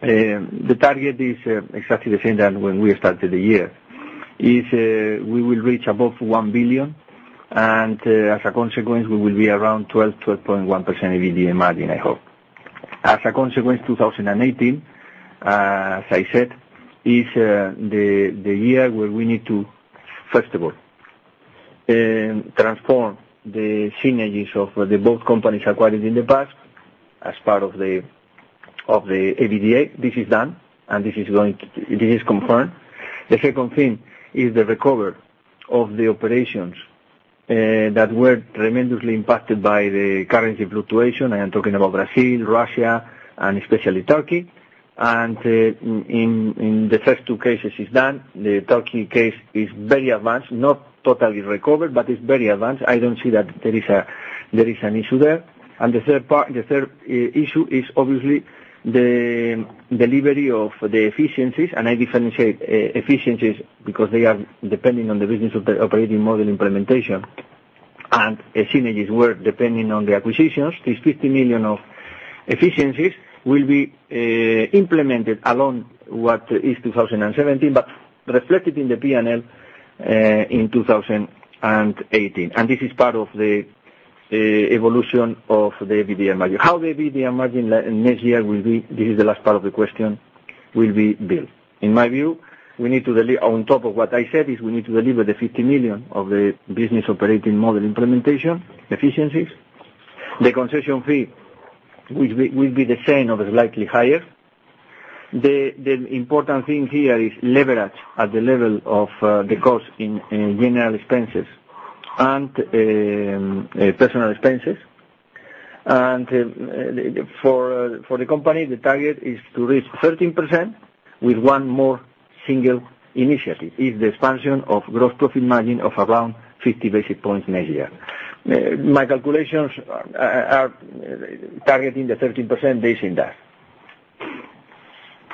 The target is exactly the same than when we started the year. We will reach above 1 billion, and, as a consequence, we will be around 12%-12.1% EBITDA margin, I hope. As a consequence, 2018, as I said, is the year where we need to, first of all, transform the synergies of the both companies acquired in the past as part of the EBITDA. This is done and this is confirmed. The second thing is the recovery of the operations that were tremendously impacted by the currency fluctuation. I am talking about Brazil, Russia, and especially Turkey. In the first two cases, it's done. The Turkey case is very advanced, not totally recovered, but it's very advanced. I don't see that there is an issue there. The third issue is obviously the delivery of the efficiencies, and I differentiate efficiencies because they are depending on the business operating model implementation. Synergies were depending on the acquisitions. This 50 million of efficiencies will be implemented along what is 2017, but reflected in the P&L in 2018. This is part of the evolution of the EBITDA margin. How the EBITDA margin next year will be, this is the last part of the question, will be built? In my view, on top of what I said, is we need to deliver the 50 million of the business operating model implementation efficiencies. The concession fee will be the same or slightly higher. The important thing here is leverage at the level of the cost in general expenses and personal expenses. For the company, the target is to reach 13% with one more single initiative, is the expansion of gross profit margin of around 50 basis points next year. My calculations are targeting the 13% based in that.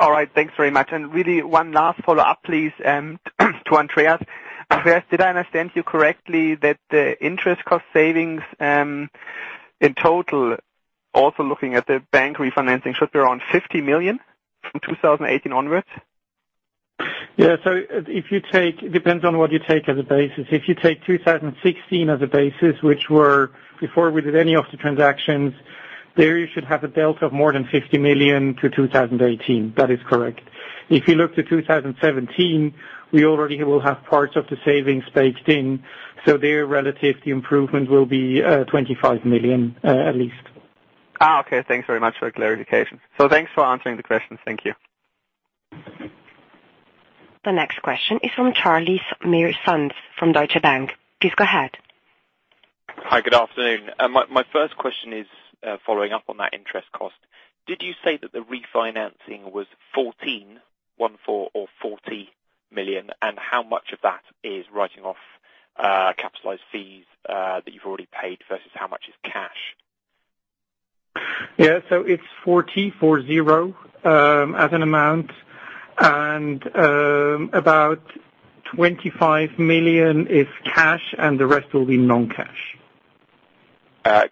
All right. Thanks very much. Really one last follow-up, please, to Andreas. Andreas, did I understand you correctly that the interest cost savings, in total, also looking at the bank refinancing, should be around 50 million from 2018 onwards? Yeah. It depends on what you take as a basis. If you take 2016 as a basis, which were before we did any of the transactions, there you should have a delta of more than 50 million to 2018. That is correct. If you look to 2017, we already will have parts of the savings baked in, so there relative, the improvement will be 25 million at least. Okay. Thanks very much for the clarification. Thanks for answering the questions. Thank you. The next question is from Charlie Mearns from Deutsche Bank. Please go ahead. Hi, good afternoon. My first question is following up on that interest cost. Did you say that the refinancing was 14, one, four, or 40 million, and how much of that is writing off capitalized fees that you've already paid versus how much is cash? Yeah. It's 40, four, zero, as an amount, and about 25 million is cash, and the rest will be non-cash.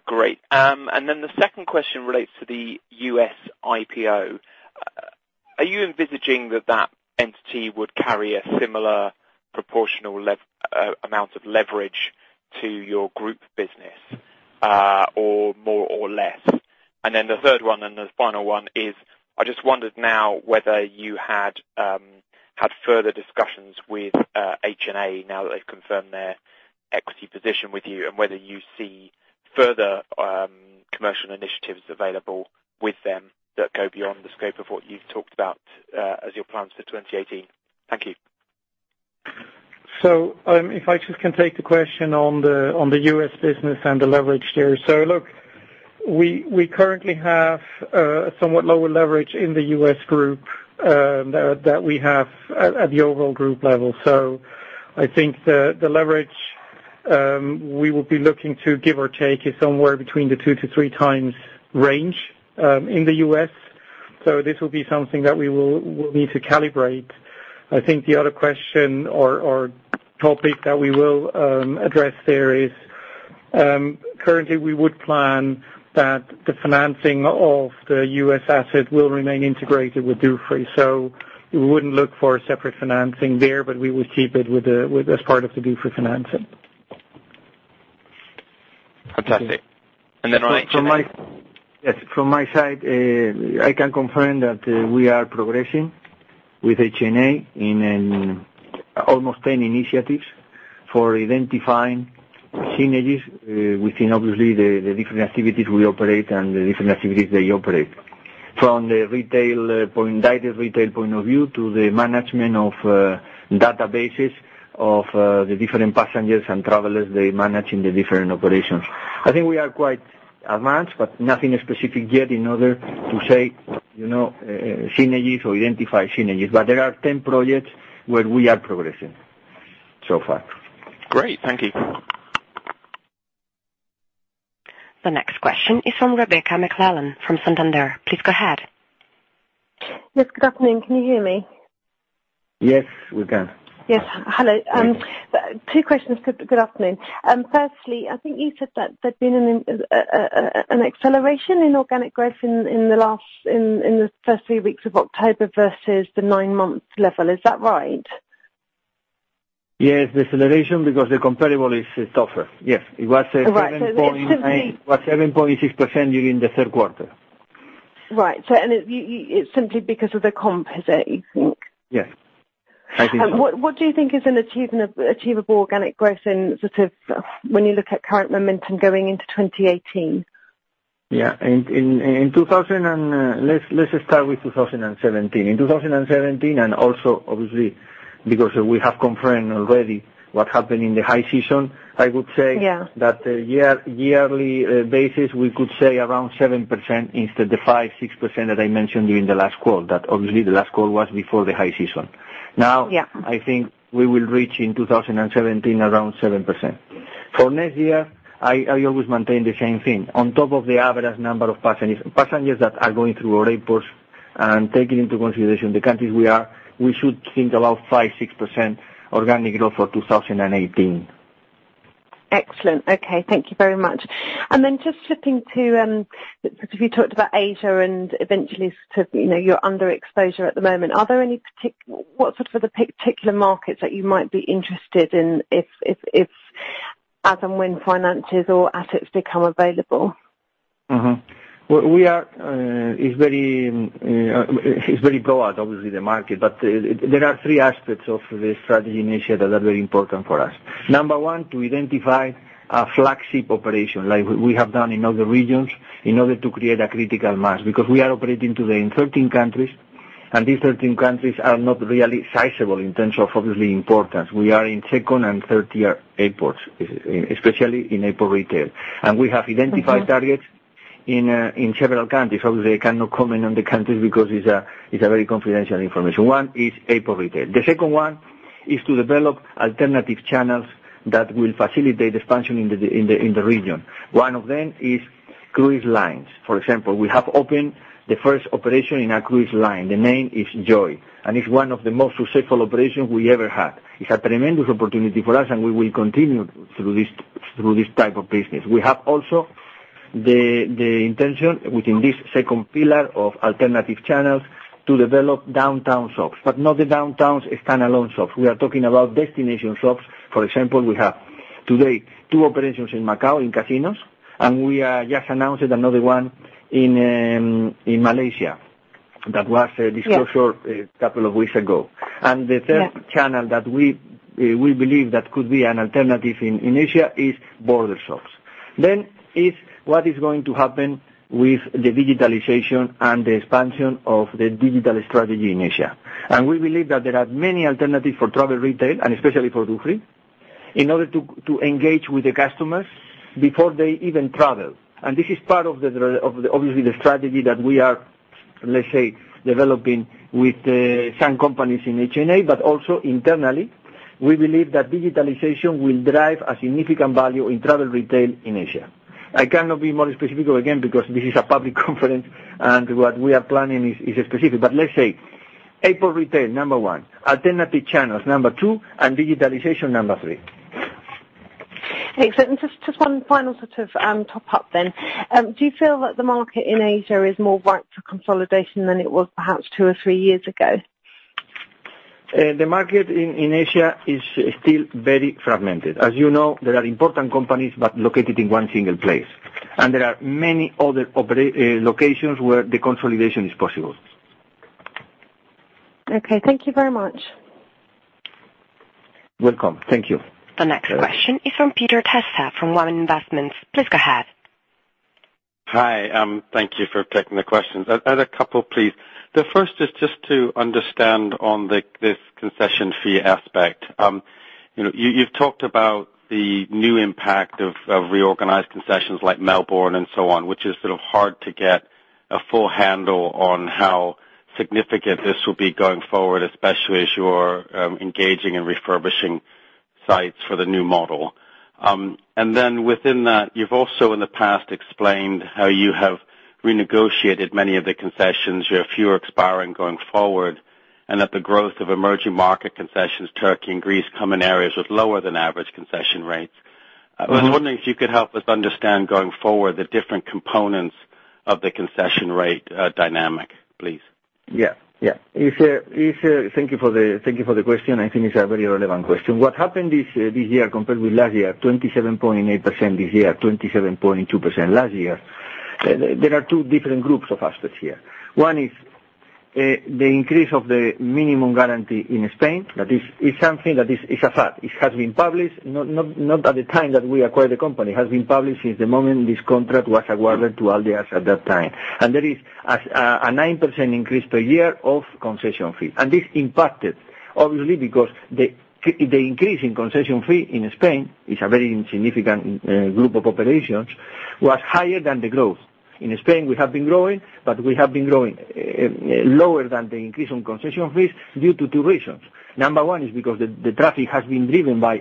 Great. The second question relates to the U.S. IPO. Are you envisaging that that entity would carry a similar proportional amount of leverage to your group business? More or less? The third one, and the final one is, I just wondered now whether you had further discussions with HNA now that they've confirmed their equity position with you, and whether you see further commercial initiatives available with them that go beyond the scope of what you've talked about as your plans for 2018. Thank you. If I just can take the question on the U.S. business and the leverage there. Look, we currently have a somewhat lower leverage in the U.S. group that we have at the overall group level. I think the leverage we will be looking to give or take is somewhere between the two to three times range in the U.S. This will be something that we will need to calibrate. I think the other question or topic that we will address there is, currently we would plan that the financing of the U.S. asset will remain integrated with Dufry. We wouldn't look for a separate financing there, but we would keep it as part of the Dufry financing. Fantastic. On HNA. Yes. From my side, I can confirm that we are progressing with HNA in almost 10 initiatives for identifying synergies within obviously the different activities we operate and the different activities they operate. From the retail point of view to the management of databases of the different passengers and travelers they manage in the different operations. I think we are quite advanced, but nothing specific yet in order to say synergies or identify synergies. There are 10 projects where we are progressing so far. Great. Thank you. The next question is from Rebecca McClellan from Santander. Please go ahead. Yes. Good afternoon. Can you hear me? Yes, we can. Yes. Hello. Yes. Two questions. Good afternoon. Firstly, I think you said that there'd been an acceleration in organic growth in the first three weeks of October versus the nine months level. Is that right? Yes. The acceleration because the comparable is tougher. Yes. Right. It was 7.6% during the third quarter. Right. It's simply because of the comp, is that you think? Yes. I think so. What do you think is an achievable organic growth in sort of when you look at current momentum going into 2018? Yeah. Let's start with 2017. In 2017 and also obviously because we have confirmed already what happened in the high season, I would say Yeah that yearly basis, we could say around 7% instead the five, six% that I mentioned during the last call. Obviously, the last call was before the high season. Now Yeah I think we will reach in 2017 around 7%. For next year, I always maintain the same thing. On top of the average number of passengers that are going through airports and taking into consideration the countries we are, we should think about five, six% organic growth for 2018. Excellent. Okay. Thank you very much. Just flipping to, because you talked about Asia and eventually sort of your underexposure at the moment. What sort of are the particular markets that you might be interested in if as and when finances or assets become available? Mm-hmm. There are three aspects of the strategy in Asia that are very important for us. Number 1, to identify a flagship operation, like we have done in other regions, in order to create a critical mass. Because we are operating today in 13 countries, and these 13 countries are not really sizable in terms of obviously importance. We are in second and third-tier airports, especially in airport retail. We have identified- Okay targets in several countries. Obviously, I cannot comment on the countries because it's a very confidential information. 1 is airport retail. The second 1 is to develop alternative channels that will facilitate expansion in the region. One of them is cruise lines. For example, we have opened the first operation in a cruise line. The name is Joy, and it's one of the most successful operations we ever had. It's a tremendous opportunity for us, and we will continue through this type of business. We have also the intention within this second pillar of alternative channels to develop downtown shops, but not the downtown standalone shops. We are talking about destination shops. For example, we have today 2 operations in Macau, in casinos. We have just announced another 1 in Malaysia. That was a disclosure- Yeah a couple of weeks ago. Yeah. The third channel that we believe that could be an alternative in Asia is border shops. It's what is going to happen with the digitalization and the expansion of the digital strategy in Asia. We believe that there are many alternatives for travel retail, and especially for Dufry, in order to engage with the customers before they even travel. This is part of obviously the strategy that we are Let's say, developing with some companies in HNA, also internally, we believe that digitalization will drive a significant value in travel retail in Asia. I cannot be more specific, again, because this is a public conference, and what we are planning is specific. Let's say, airport retail, number 1. Alternative channels, number 2. Digitalization, number 3. Thanks. Just one final sort of top-up then. Do you feel that the market in Asia is more ripe for consolidation than it was perhaps two or three years ago? The market in Asia is still very fragmented. As you know, there are important companies, but located in one single place. There are many other locations where the consolidation is possible. Okay. Thank you very much. Welcome. Thank you. The next question is from Peter Tesar, from Waman Investments. Please go ahead. Hi. Thank you for taking the questions. I had a couple, please. The first is just to understand on this concession fee aspect. You've talked about the new impact of reorganized concessions like Melbourne and so on, which is sort of hard to get a full handle on how significant this will be going forward, especially as you're engaging and refurbishing sites for the new model. Then within that, you've also in the past explained how you have renegotiated many of the concessions. You have fewer expiring going forward, that the growth of emerging market concessions, Turkey and Greece, come in areas with lower than average concession rates. I was wondering if you could help us understand going forward the different components of the concession rate dynamic, please. Yeah. Thank you for the question. I think it's a very relevant question. What happened this year compared with last year, 27.8% this year, 27.2% last year. There are two different groups of aspects here. One is the increase of the minimum guarantee in Spain. That is something that is a fact. It has been published, not at the time that we acquired the company. It has been published since the moment this contract was awarded to Aldeasa at that time. There is a 9% increase per year of concession fee. This impacted, obviously, because the increase in concession fee in Spain is a very significant group of operations, was higher than the growth. In Spain, we have been growing, but we have been growing lower than the increase on concession fees due to two reasons. Number one is because the traffic has been driven by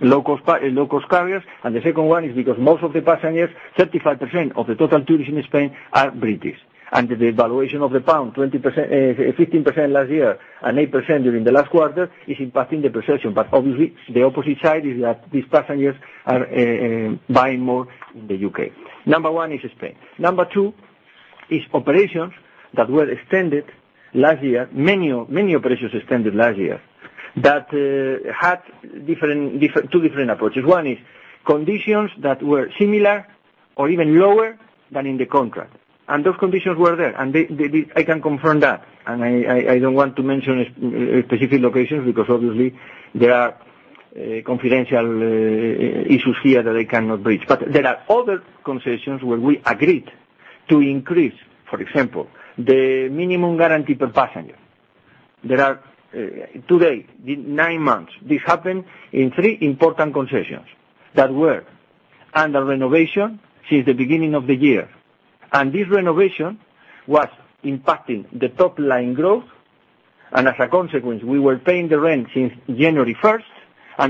low-cost carriers. The second one is because most of the passengers, 35% of the total tourists in Spain, are British. The devaluation of the pound 15% last year and 8% during the last quarter is impacting the concession. Obviously, the opposite side is that these passengers are buying more in the U.K. Number one is Spain. Number two is operations that were extended last year. Many operations extended last year that had two different approaches. One is conditions that were similar or even lower than in the contract. Those conditions were there, and I can confirm that. I don't want to mention specific locations because obviously there are confidential issues here that I cannot breach. There are other concessions where we agreed to increase, for example, the minimum guarantee per passenger. There are today, nine months, this happened in three important concessions that were under renovation since the beginning of the year. This renovation was impacting the top-line growth, and as a consequence, we were paying the rent since January 1st.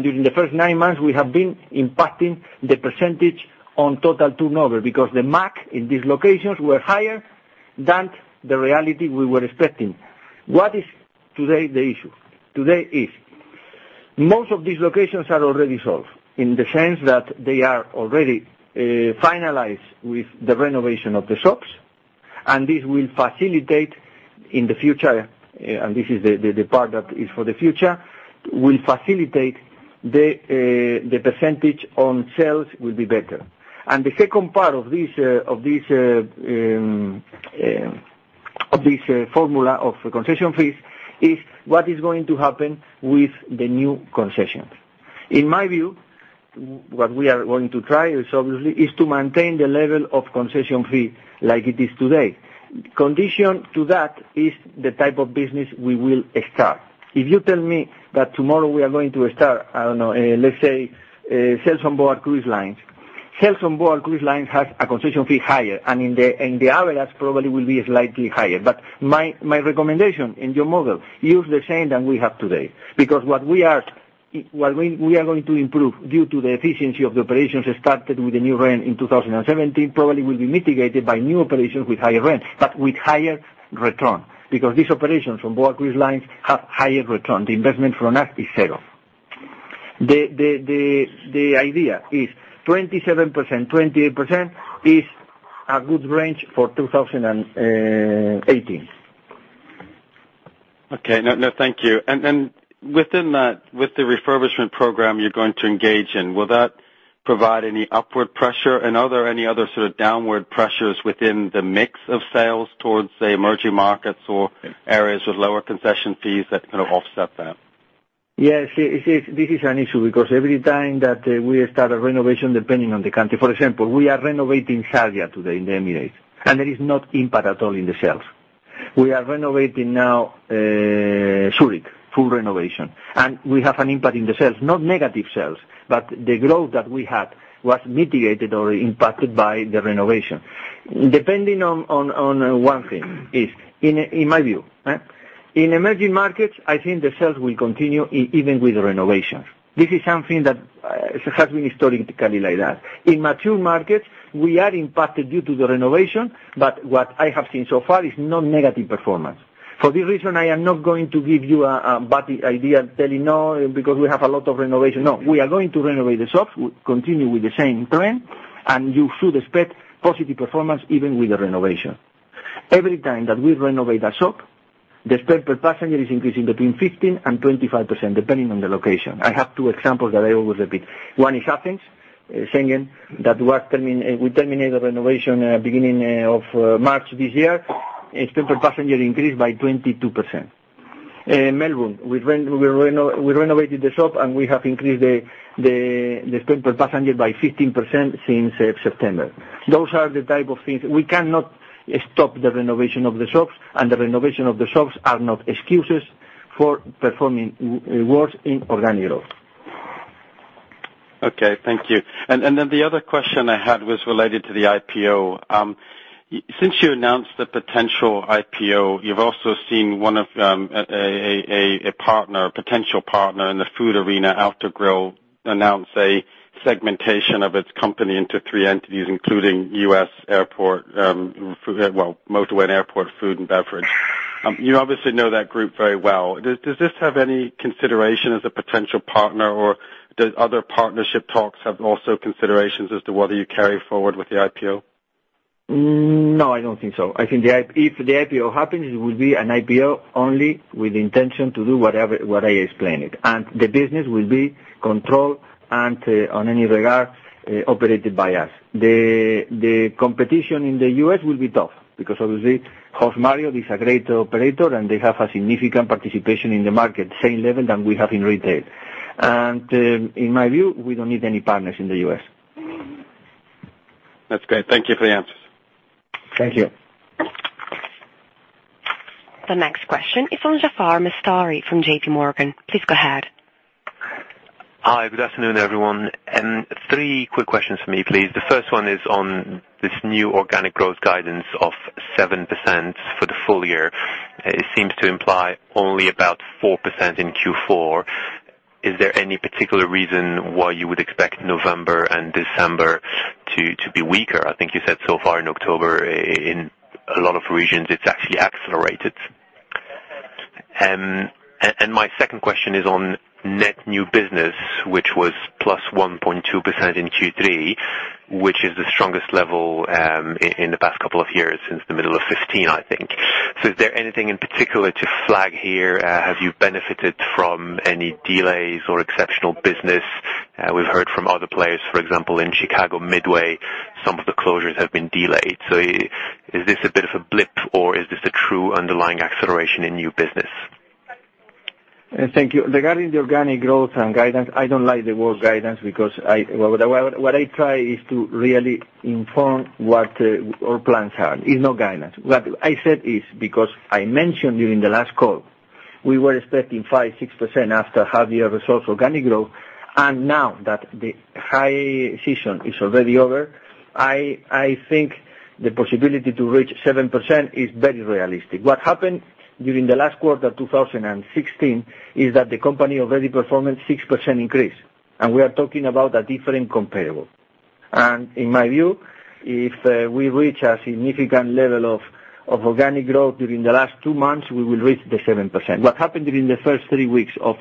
During the first nine months, we have been impacting the percentage on total turnover because the MAG in these locations were higher than the reality we were expecting. What is today the issue? Today, most of these locations are already solved in the sense that they are already finalized with the renovation of the shops, and this will facilitate in the future, and this is the part that is for the future, will facilitate the percentage on sales will be better. The second part of this formula of concession fees is what is going to happen with the new concessions. In my view, what we are going to try is obviously to maintain the level of concession fee like it is today. Condition to that is the type of business we will start. If you tell me that tomorrow we are going to start, I don't know, let's say, sales on board cruise lines. Sales on board cruise lines has a concession fee higher, and the average probably will be slightly higher. My recommendation in your model, use the same that we have today. What we are going to improve due to the efficiency of the operations started with the new rent in 2017 probably will be mitigated by new operations with higher rent, but with higher return. These operations on board cruise lines have higher return. The investment from us is zero. The idea is 27%-28% is a good range for 2018. Okay. No, thank you. Within that, with the refurbishment program you're going to engage in, will that provide any upward pressure, and are there any other sort of downward pressures within the mix of sales towards, say, emerging markets or areas with lower concession fees that kind of offset that? Yes. This is an issue because every time that we start a renovation, depending on the country, for example, we are renovating Sharjah today in the Emirates, and there is no impact at all in the sales. We are renovating now Zurich, full renovation. We have an impact in the sales, not negative sales, but the growth that we had was mitigated or impacted by the renovation. Depending on one thing, in my view. In emerging markets, I think the sales will continue even with the renovations. This is something that has been historically like that. In mature markets, we are impacted due to the renovation, but what I have seen so far is no negative performance. For this reason, I am not going to give you a bad idea telling no, because we have a lot of renovation. No, we are going to renovate the shops. We continue with the same trend. You should expect positive performance even with the renovation. Every time that we renovate a shop, the spend per passenger is increasing between 15% and 25%, depending on the location. I have two examples that I always repeat. One is Athens, saying that we terminate the renovation beginning of March this year. Spend per passenger increased by 22%. In Melbourne, we renovated the shop, and we have increased the spend per passenger by 15% since September. Those are the type of things. We cannot stop the renovation of the shops, and the renovation of the shops are not excuses for performing worse in organic growth. Okay. Thank you. The other question I had was related to the IPO. Since you announced the potential IPO, you've also seen a potential partner in the food arena, Autogrill, announce a segmentation of its company into three entities, including U.S. airport, motorway and airport food and beverage. You obviously know that group very well. Does this have any consideration as a potential partner, or does other partnership talks have also considerations as to whether you carry forward with the IPO? No, I don't think so. I think if the IPO happens, it will be an IPO only with the intention to do what I explained. The business will be controlled and, on any regard, operated by us. The competition in the U.S. will be tough, because obviously, HMSHost is a great operator, and they have a significant participation in the market, same level than we have in retail. In my view, we don't need any partners in the U.S. That's great. Thank you for the answers. Thank you. The next question is from Jaafar Mestari from J.P. Morgan. Please go ahead. Hi, good afternoon, everyone. Three quick questions for me, please. The first one is on this new organic growth guidance of 7% for the full year. It seems to imply only about 4% in Q4. Is there any particular reason why you would expect November and December to be weaker? I think you said so far in October, in a lot of regions, it's actually accelerated. My second question is on net new business, which was +1.2% in Q3, which is the strongest level in the past couple of years, since the middle of 2015, I think. Is there anything in particular to flag here? Have you benefited from any delays or exceptional business? We've heard from other players, for example, in Chicago Midway, some of the closures have been delayed. Is this a bit of a blip, or is this a true underlying acceleration in new business? Thank you. Regarding the organic growth and guidance, I don't like the word guidance because what I try is to really inform what our plans are. It's not guidance. What I said is, because I mentioned during the last call, we were expecting 5%-6% after half year results organic growth. Now that the high season is already over, I think the possibility to reach 7% is very realistic. What happened during the last quarter 2016 is that the company already performed 6% increase, we are talking about a different comparable. In my view, if we reach a significant level of organic growth during the last two months, we will reach the 7%. What happened during the first three weeks of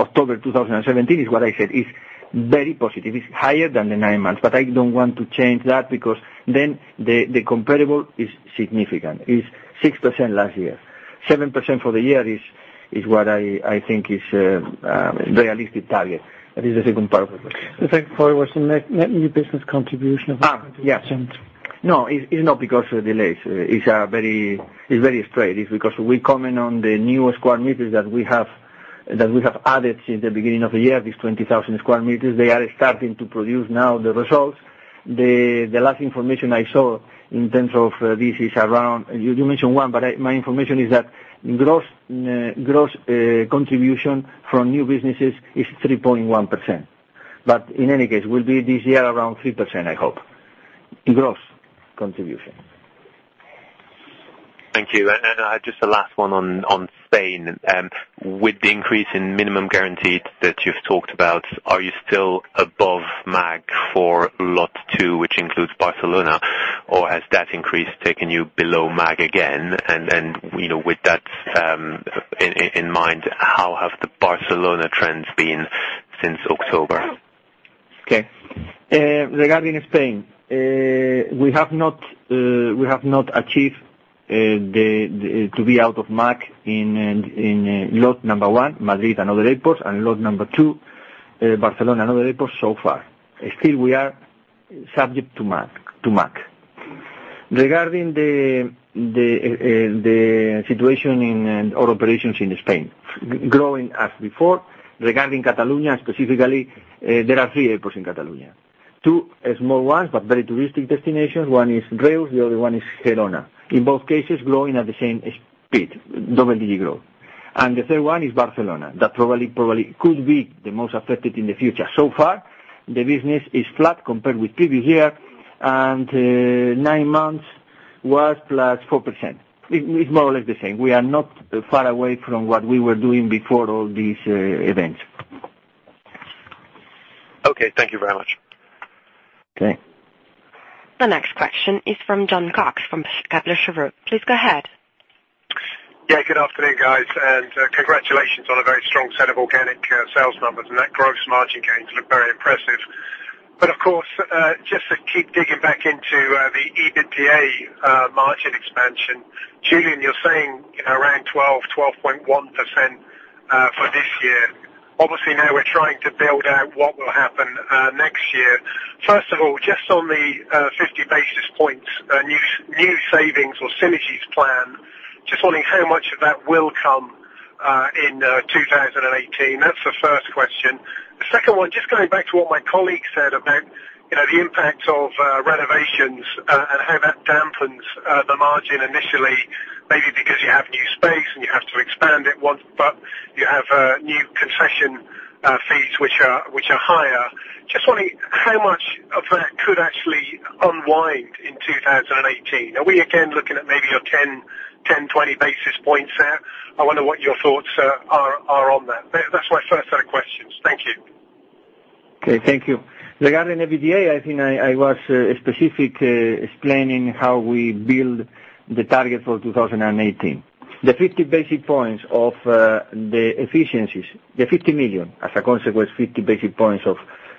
October 2017 is what I said, it's very positive. It's higher than the nine months. I don't want to change that because then the comparable is significant, is 6% last year. 7% for the year is what I think is a realistic target. That is the second part of the question. The second part was the net new business contribution of 1.2%. Yes. No, it's not because of delays. It's very straight. It's because we comment on the new square meters that we have added since the beginning of the year, these 20,000 square meters. They are starting to produce now the results. The last information I saw in terms of this is around, you mentioned one, but my information is that gross contribution from new businesses is 3.1%. In any case, will be this year around 3%, I hope. Gross contribution. Thank you. Just the last one on Spain. With the increase in minimum guaranteed that you've talked about, are you still above MAG for lot 2, which includes Barcelona, or has that increase taken you below MAG again? With that in mind, how have the Barcelona trends been since October? Okay. Regarding Spain, we have not achieved to be out of MAG in lot number 1, Madrid and other airports, and lot number 2, Barcelona and other airports so far. Still we are subject to MAG. Regarding the situation in our operations in Spain, growing as before. Regarding Catalonia specifically, there are three airports in Catalonia. Two small ones, but very touristic destinations. One is Reus, the other one is Gerona. In both cases, growing at the same speed, double-digit growth. The third one is Barcelona. That probably could be the most affected in the future. So far, the business is flat compared with previous year, and nine months was +4%. It's more or less the same. We are not far away from what we were doing before all these events. Okay, thank you very much. Okay. The next question is from Jon Cox from Kepler Cheuvreux. Please go ahead. Good afternoon, guys. Congratulations on a very strong set of organic sales numbers and that gross margin gains look very impressive. Of course, just to keep digging back into the EBITDA margin expansion, Julián, you're saying around 12.1% for this year. Obviously, now we're trying to build out what will happen next year. First of all, just on the 50 basis points, new savings or synergies plan, just wondering how much of that will come in 2018. That's the first question. The second one, just going back to what my colleague said about the impact of renovations and how that dampens the margin initially, maybe because you have new space and you have to expand it once, but you have new concession fees which are higher. Just wondering how much of that could actually unwind in 2018. Are we again looking at maybe your 10, 20 basis points there? I wonder what your thoughts are on that. That's my first set of questions. Thank you. Okay, thank you. Regarding EBITDA, I think I was specific explaining how we build the target for 2018. The 50 basis points of the efficiencies, the 50 million, as a consequence, 50 basis points of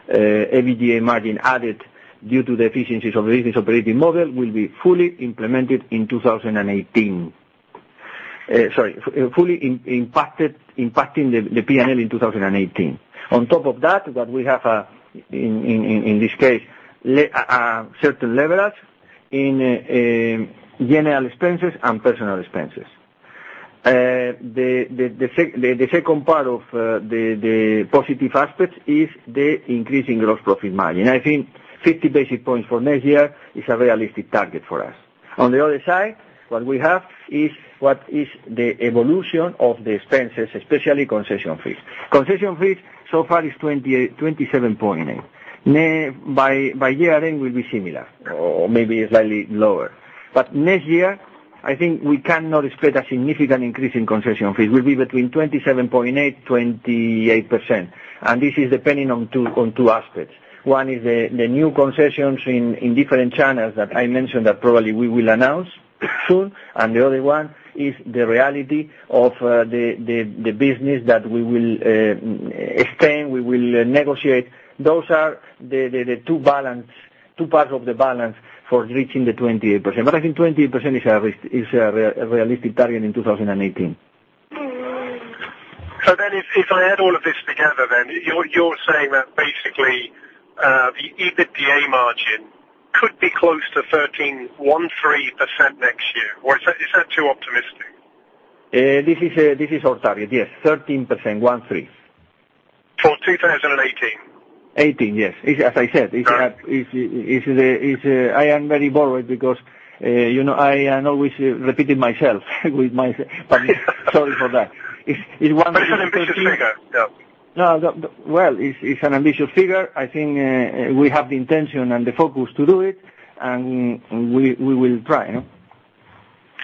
EBITDA margin added due to the efficiencies of the business operating model will be fully implemented in 2018. Sorry, fully impacting the P&L in 2018. On top of that, what we have, in this case, certain leverage in general expenses and personal expenses. The second part of the positive aspects is the increasing gross profit margin. I think 50 basis points for next year is a realistic target for us. On the other side, what we have is what is the evolution of the expenses, especially concession fees. Concession fees, so far is 27.8. By year-end will be similar or maybe slightly lower. Next year, I think we cannot expect a significant increase in concession fees. Will be between 27.8%-28%. This is depending on two aspects. One is the new concessions in different channels that I mentioned, that probably we will announce soon, and the other one is the reality of the business that we will extend, we will negotiate. Those are the two parts of the balance for reaching the 28%. I think 28% is a realistic target in 2018. If I add all of this together, then you're saying that basically the EBITDA margin could be close to 13% next year. Or is that too optimistic? This is our target, yes. 13%, one, three. For 2018? 2018, yes. As I said. All right. I am very bored because I am always repeating myself. Sorry for that. It's an ambitious figure. Yeah. Well, it's an ambitious figure. I think we have the intention and the focus to do it, and we will try.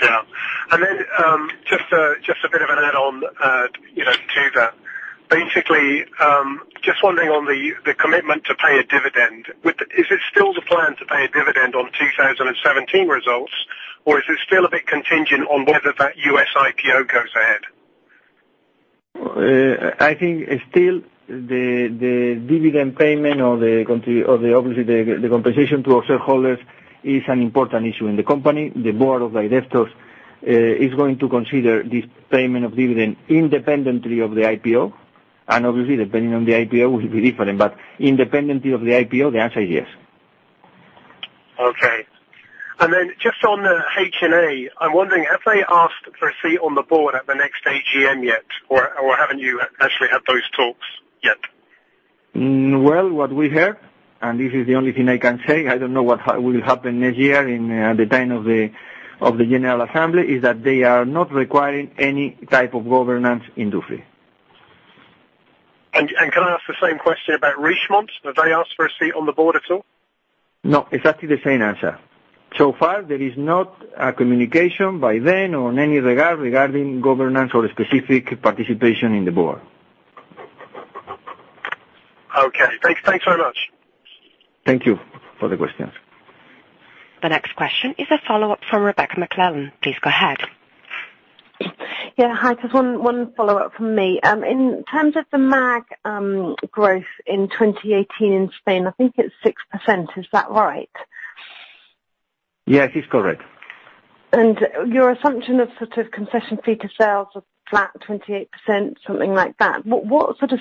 Yeah. Just a bit of an add on to that. Basically, just wondering on the commitment to pay a dividend. Is it still the plan to pay a dividend on 2017 results, or is it still a bit contingent on whether that U.S. IPO goes ahead? I think, still, the dividend payment or obviously the compensation to our shareholders is an important issue in the company. The board of directors is going to consider this payment of dividend independently of the IPO, obviously, depending on the IPO, will be different, but independently of the IPO, the answer is yes. Okay. Just on the HNA, I'm wondering, have they asked for a seat on the board at the next AGM yet, or haven't you actually had those talks yet? Well, what we heard, this is the only thing I can say, I don't know what will happen next year at the time of the general assembly, is that they are not requiring any type of governance in Dufry. Can I ask the same question about Richemont? Have they asked for a seat on the board at all? No, exactly the same answer. Far, there is not a communication by them or in any regard regarding governance or specific participation in the board. Okay. Thanks very much. Thank you for the questions. The next question is a follow-up from Rebecca McClellan. Please go ahead. Yeah. Hi. Just one follow-up from me. In terms of the MAG growth in 2018 in Spain, I think it's 6%, is that right? Yes, it's correct. Your assumption of sort of concession fee to sales of flat 28%, something like that. What sort of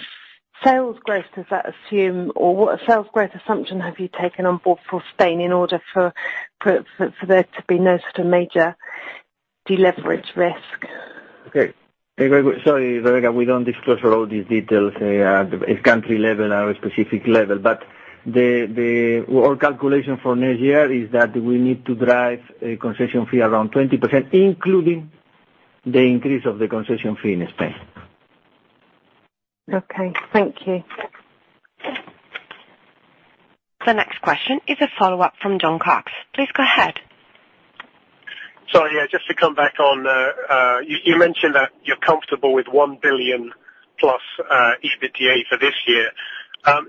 sales growth does that assume, or what sales growth assumption have you taken on board for Spain in order for there to be no sort of major deleverage risk. Okay. Sorry, Rebecca, we don't disclose all these details at country level or specific level. Our calculation for next year is that we need to drive concession fee around 28%, including the increase of the concession fee in Spain. Okay, thank you. The next question is a follow-up from Jon Cox. Please go ahead. Sorry. Just to come back on, you mentioned that you're comfortable with 1 billion plus EBITDA for this year.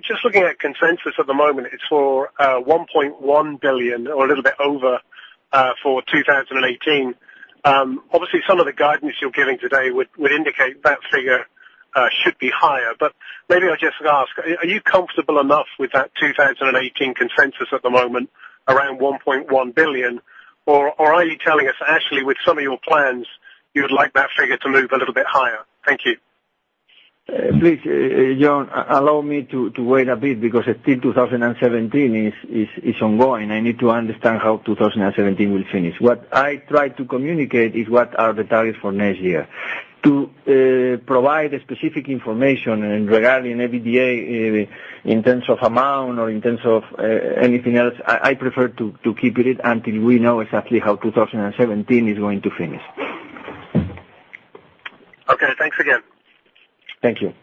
Just looking at consensus at the moment, it's for 1.1 billion or a little bit over for 2018. Obviously, some of the guidance you're giving today would indicate that figure should be higher. Maybe I'll just ask, are you comfortable enough with that 2018 consensus at the moment around 1.1 billion? Or are you telling us actually with some of your plans you would like that figure to move a little bit higher? Thank you. Please, Jon, allow me to wait a bit because 2017 is ongoing. I need to understand how 2017 will finish. What I tried to communicate is what are the targets for next year. To provide specific information regarding EBITDA in terms of amount or in terms of anything else, I prefer to keep it until we know exactly how 2017 is going to finish. Okay. Thanks again. Thank you.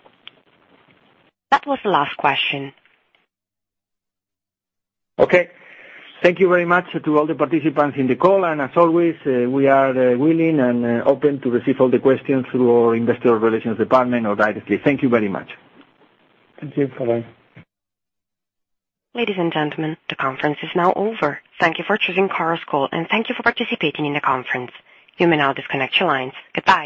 That was the last question. Okay. Thank you very much to all the participants in the call, and as always, we are willing and open to receive all the questions through our investor relations department or directly. Thank you very much. Thank you. Bye-bye. Ladies and gentlemen, the conference is now over. Thank you for choosing Chorus Call, and thank you for participating in the conference. You may now disconnect your lines. Goodbye.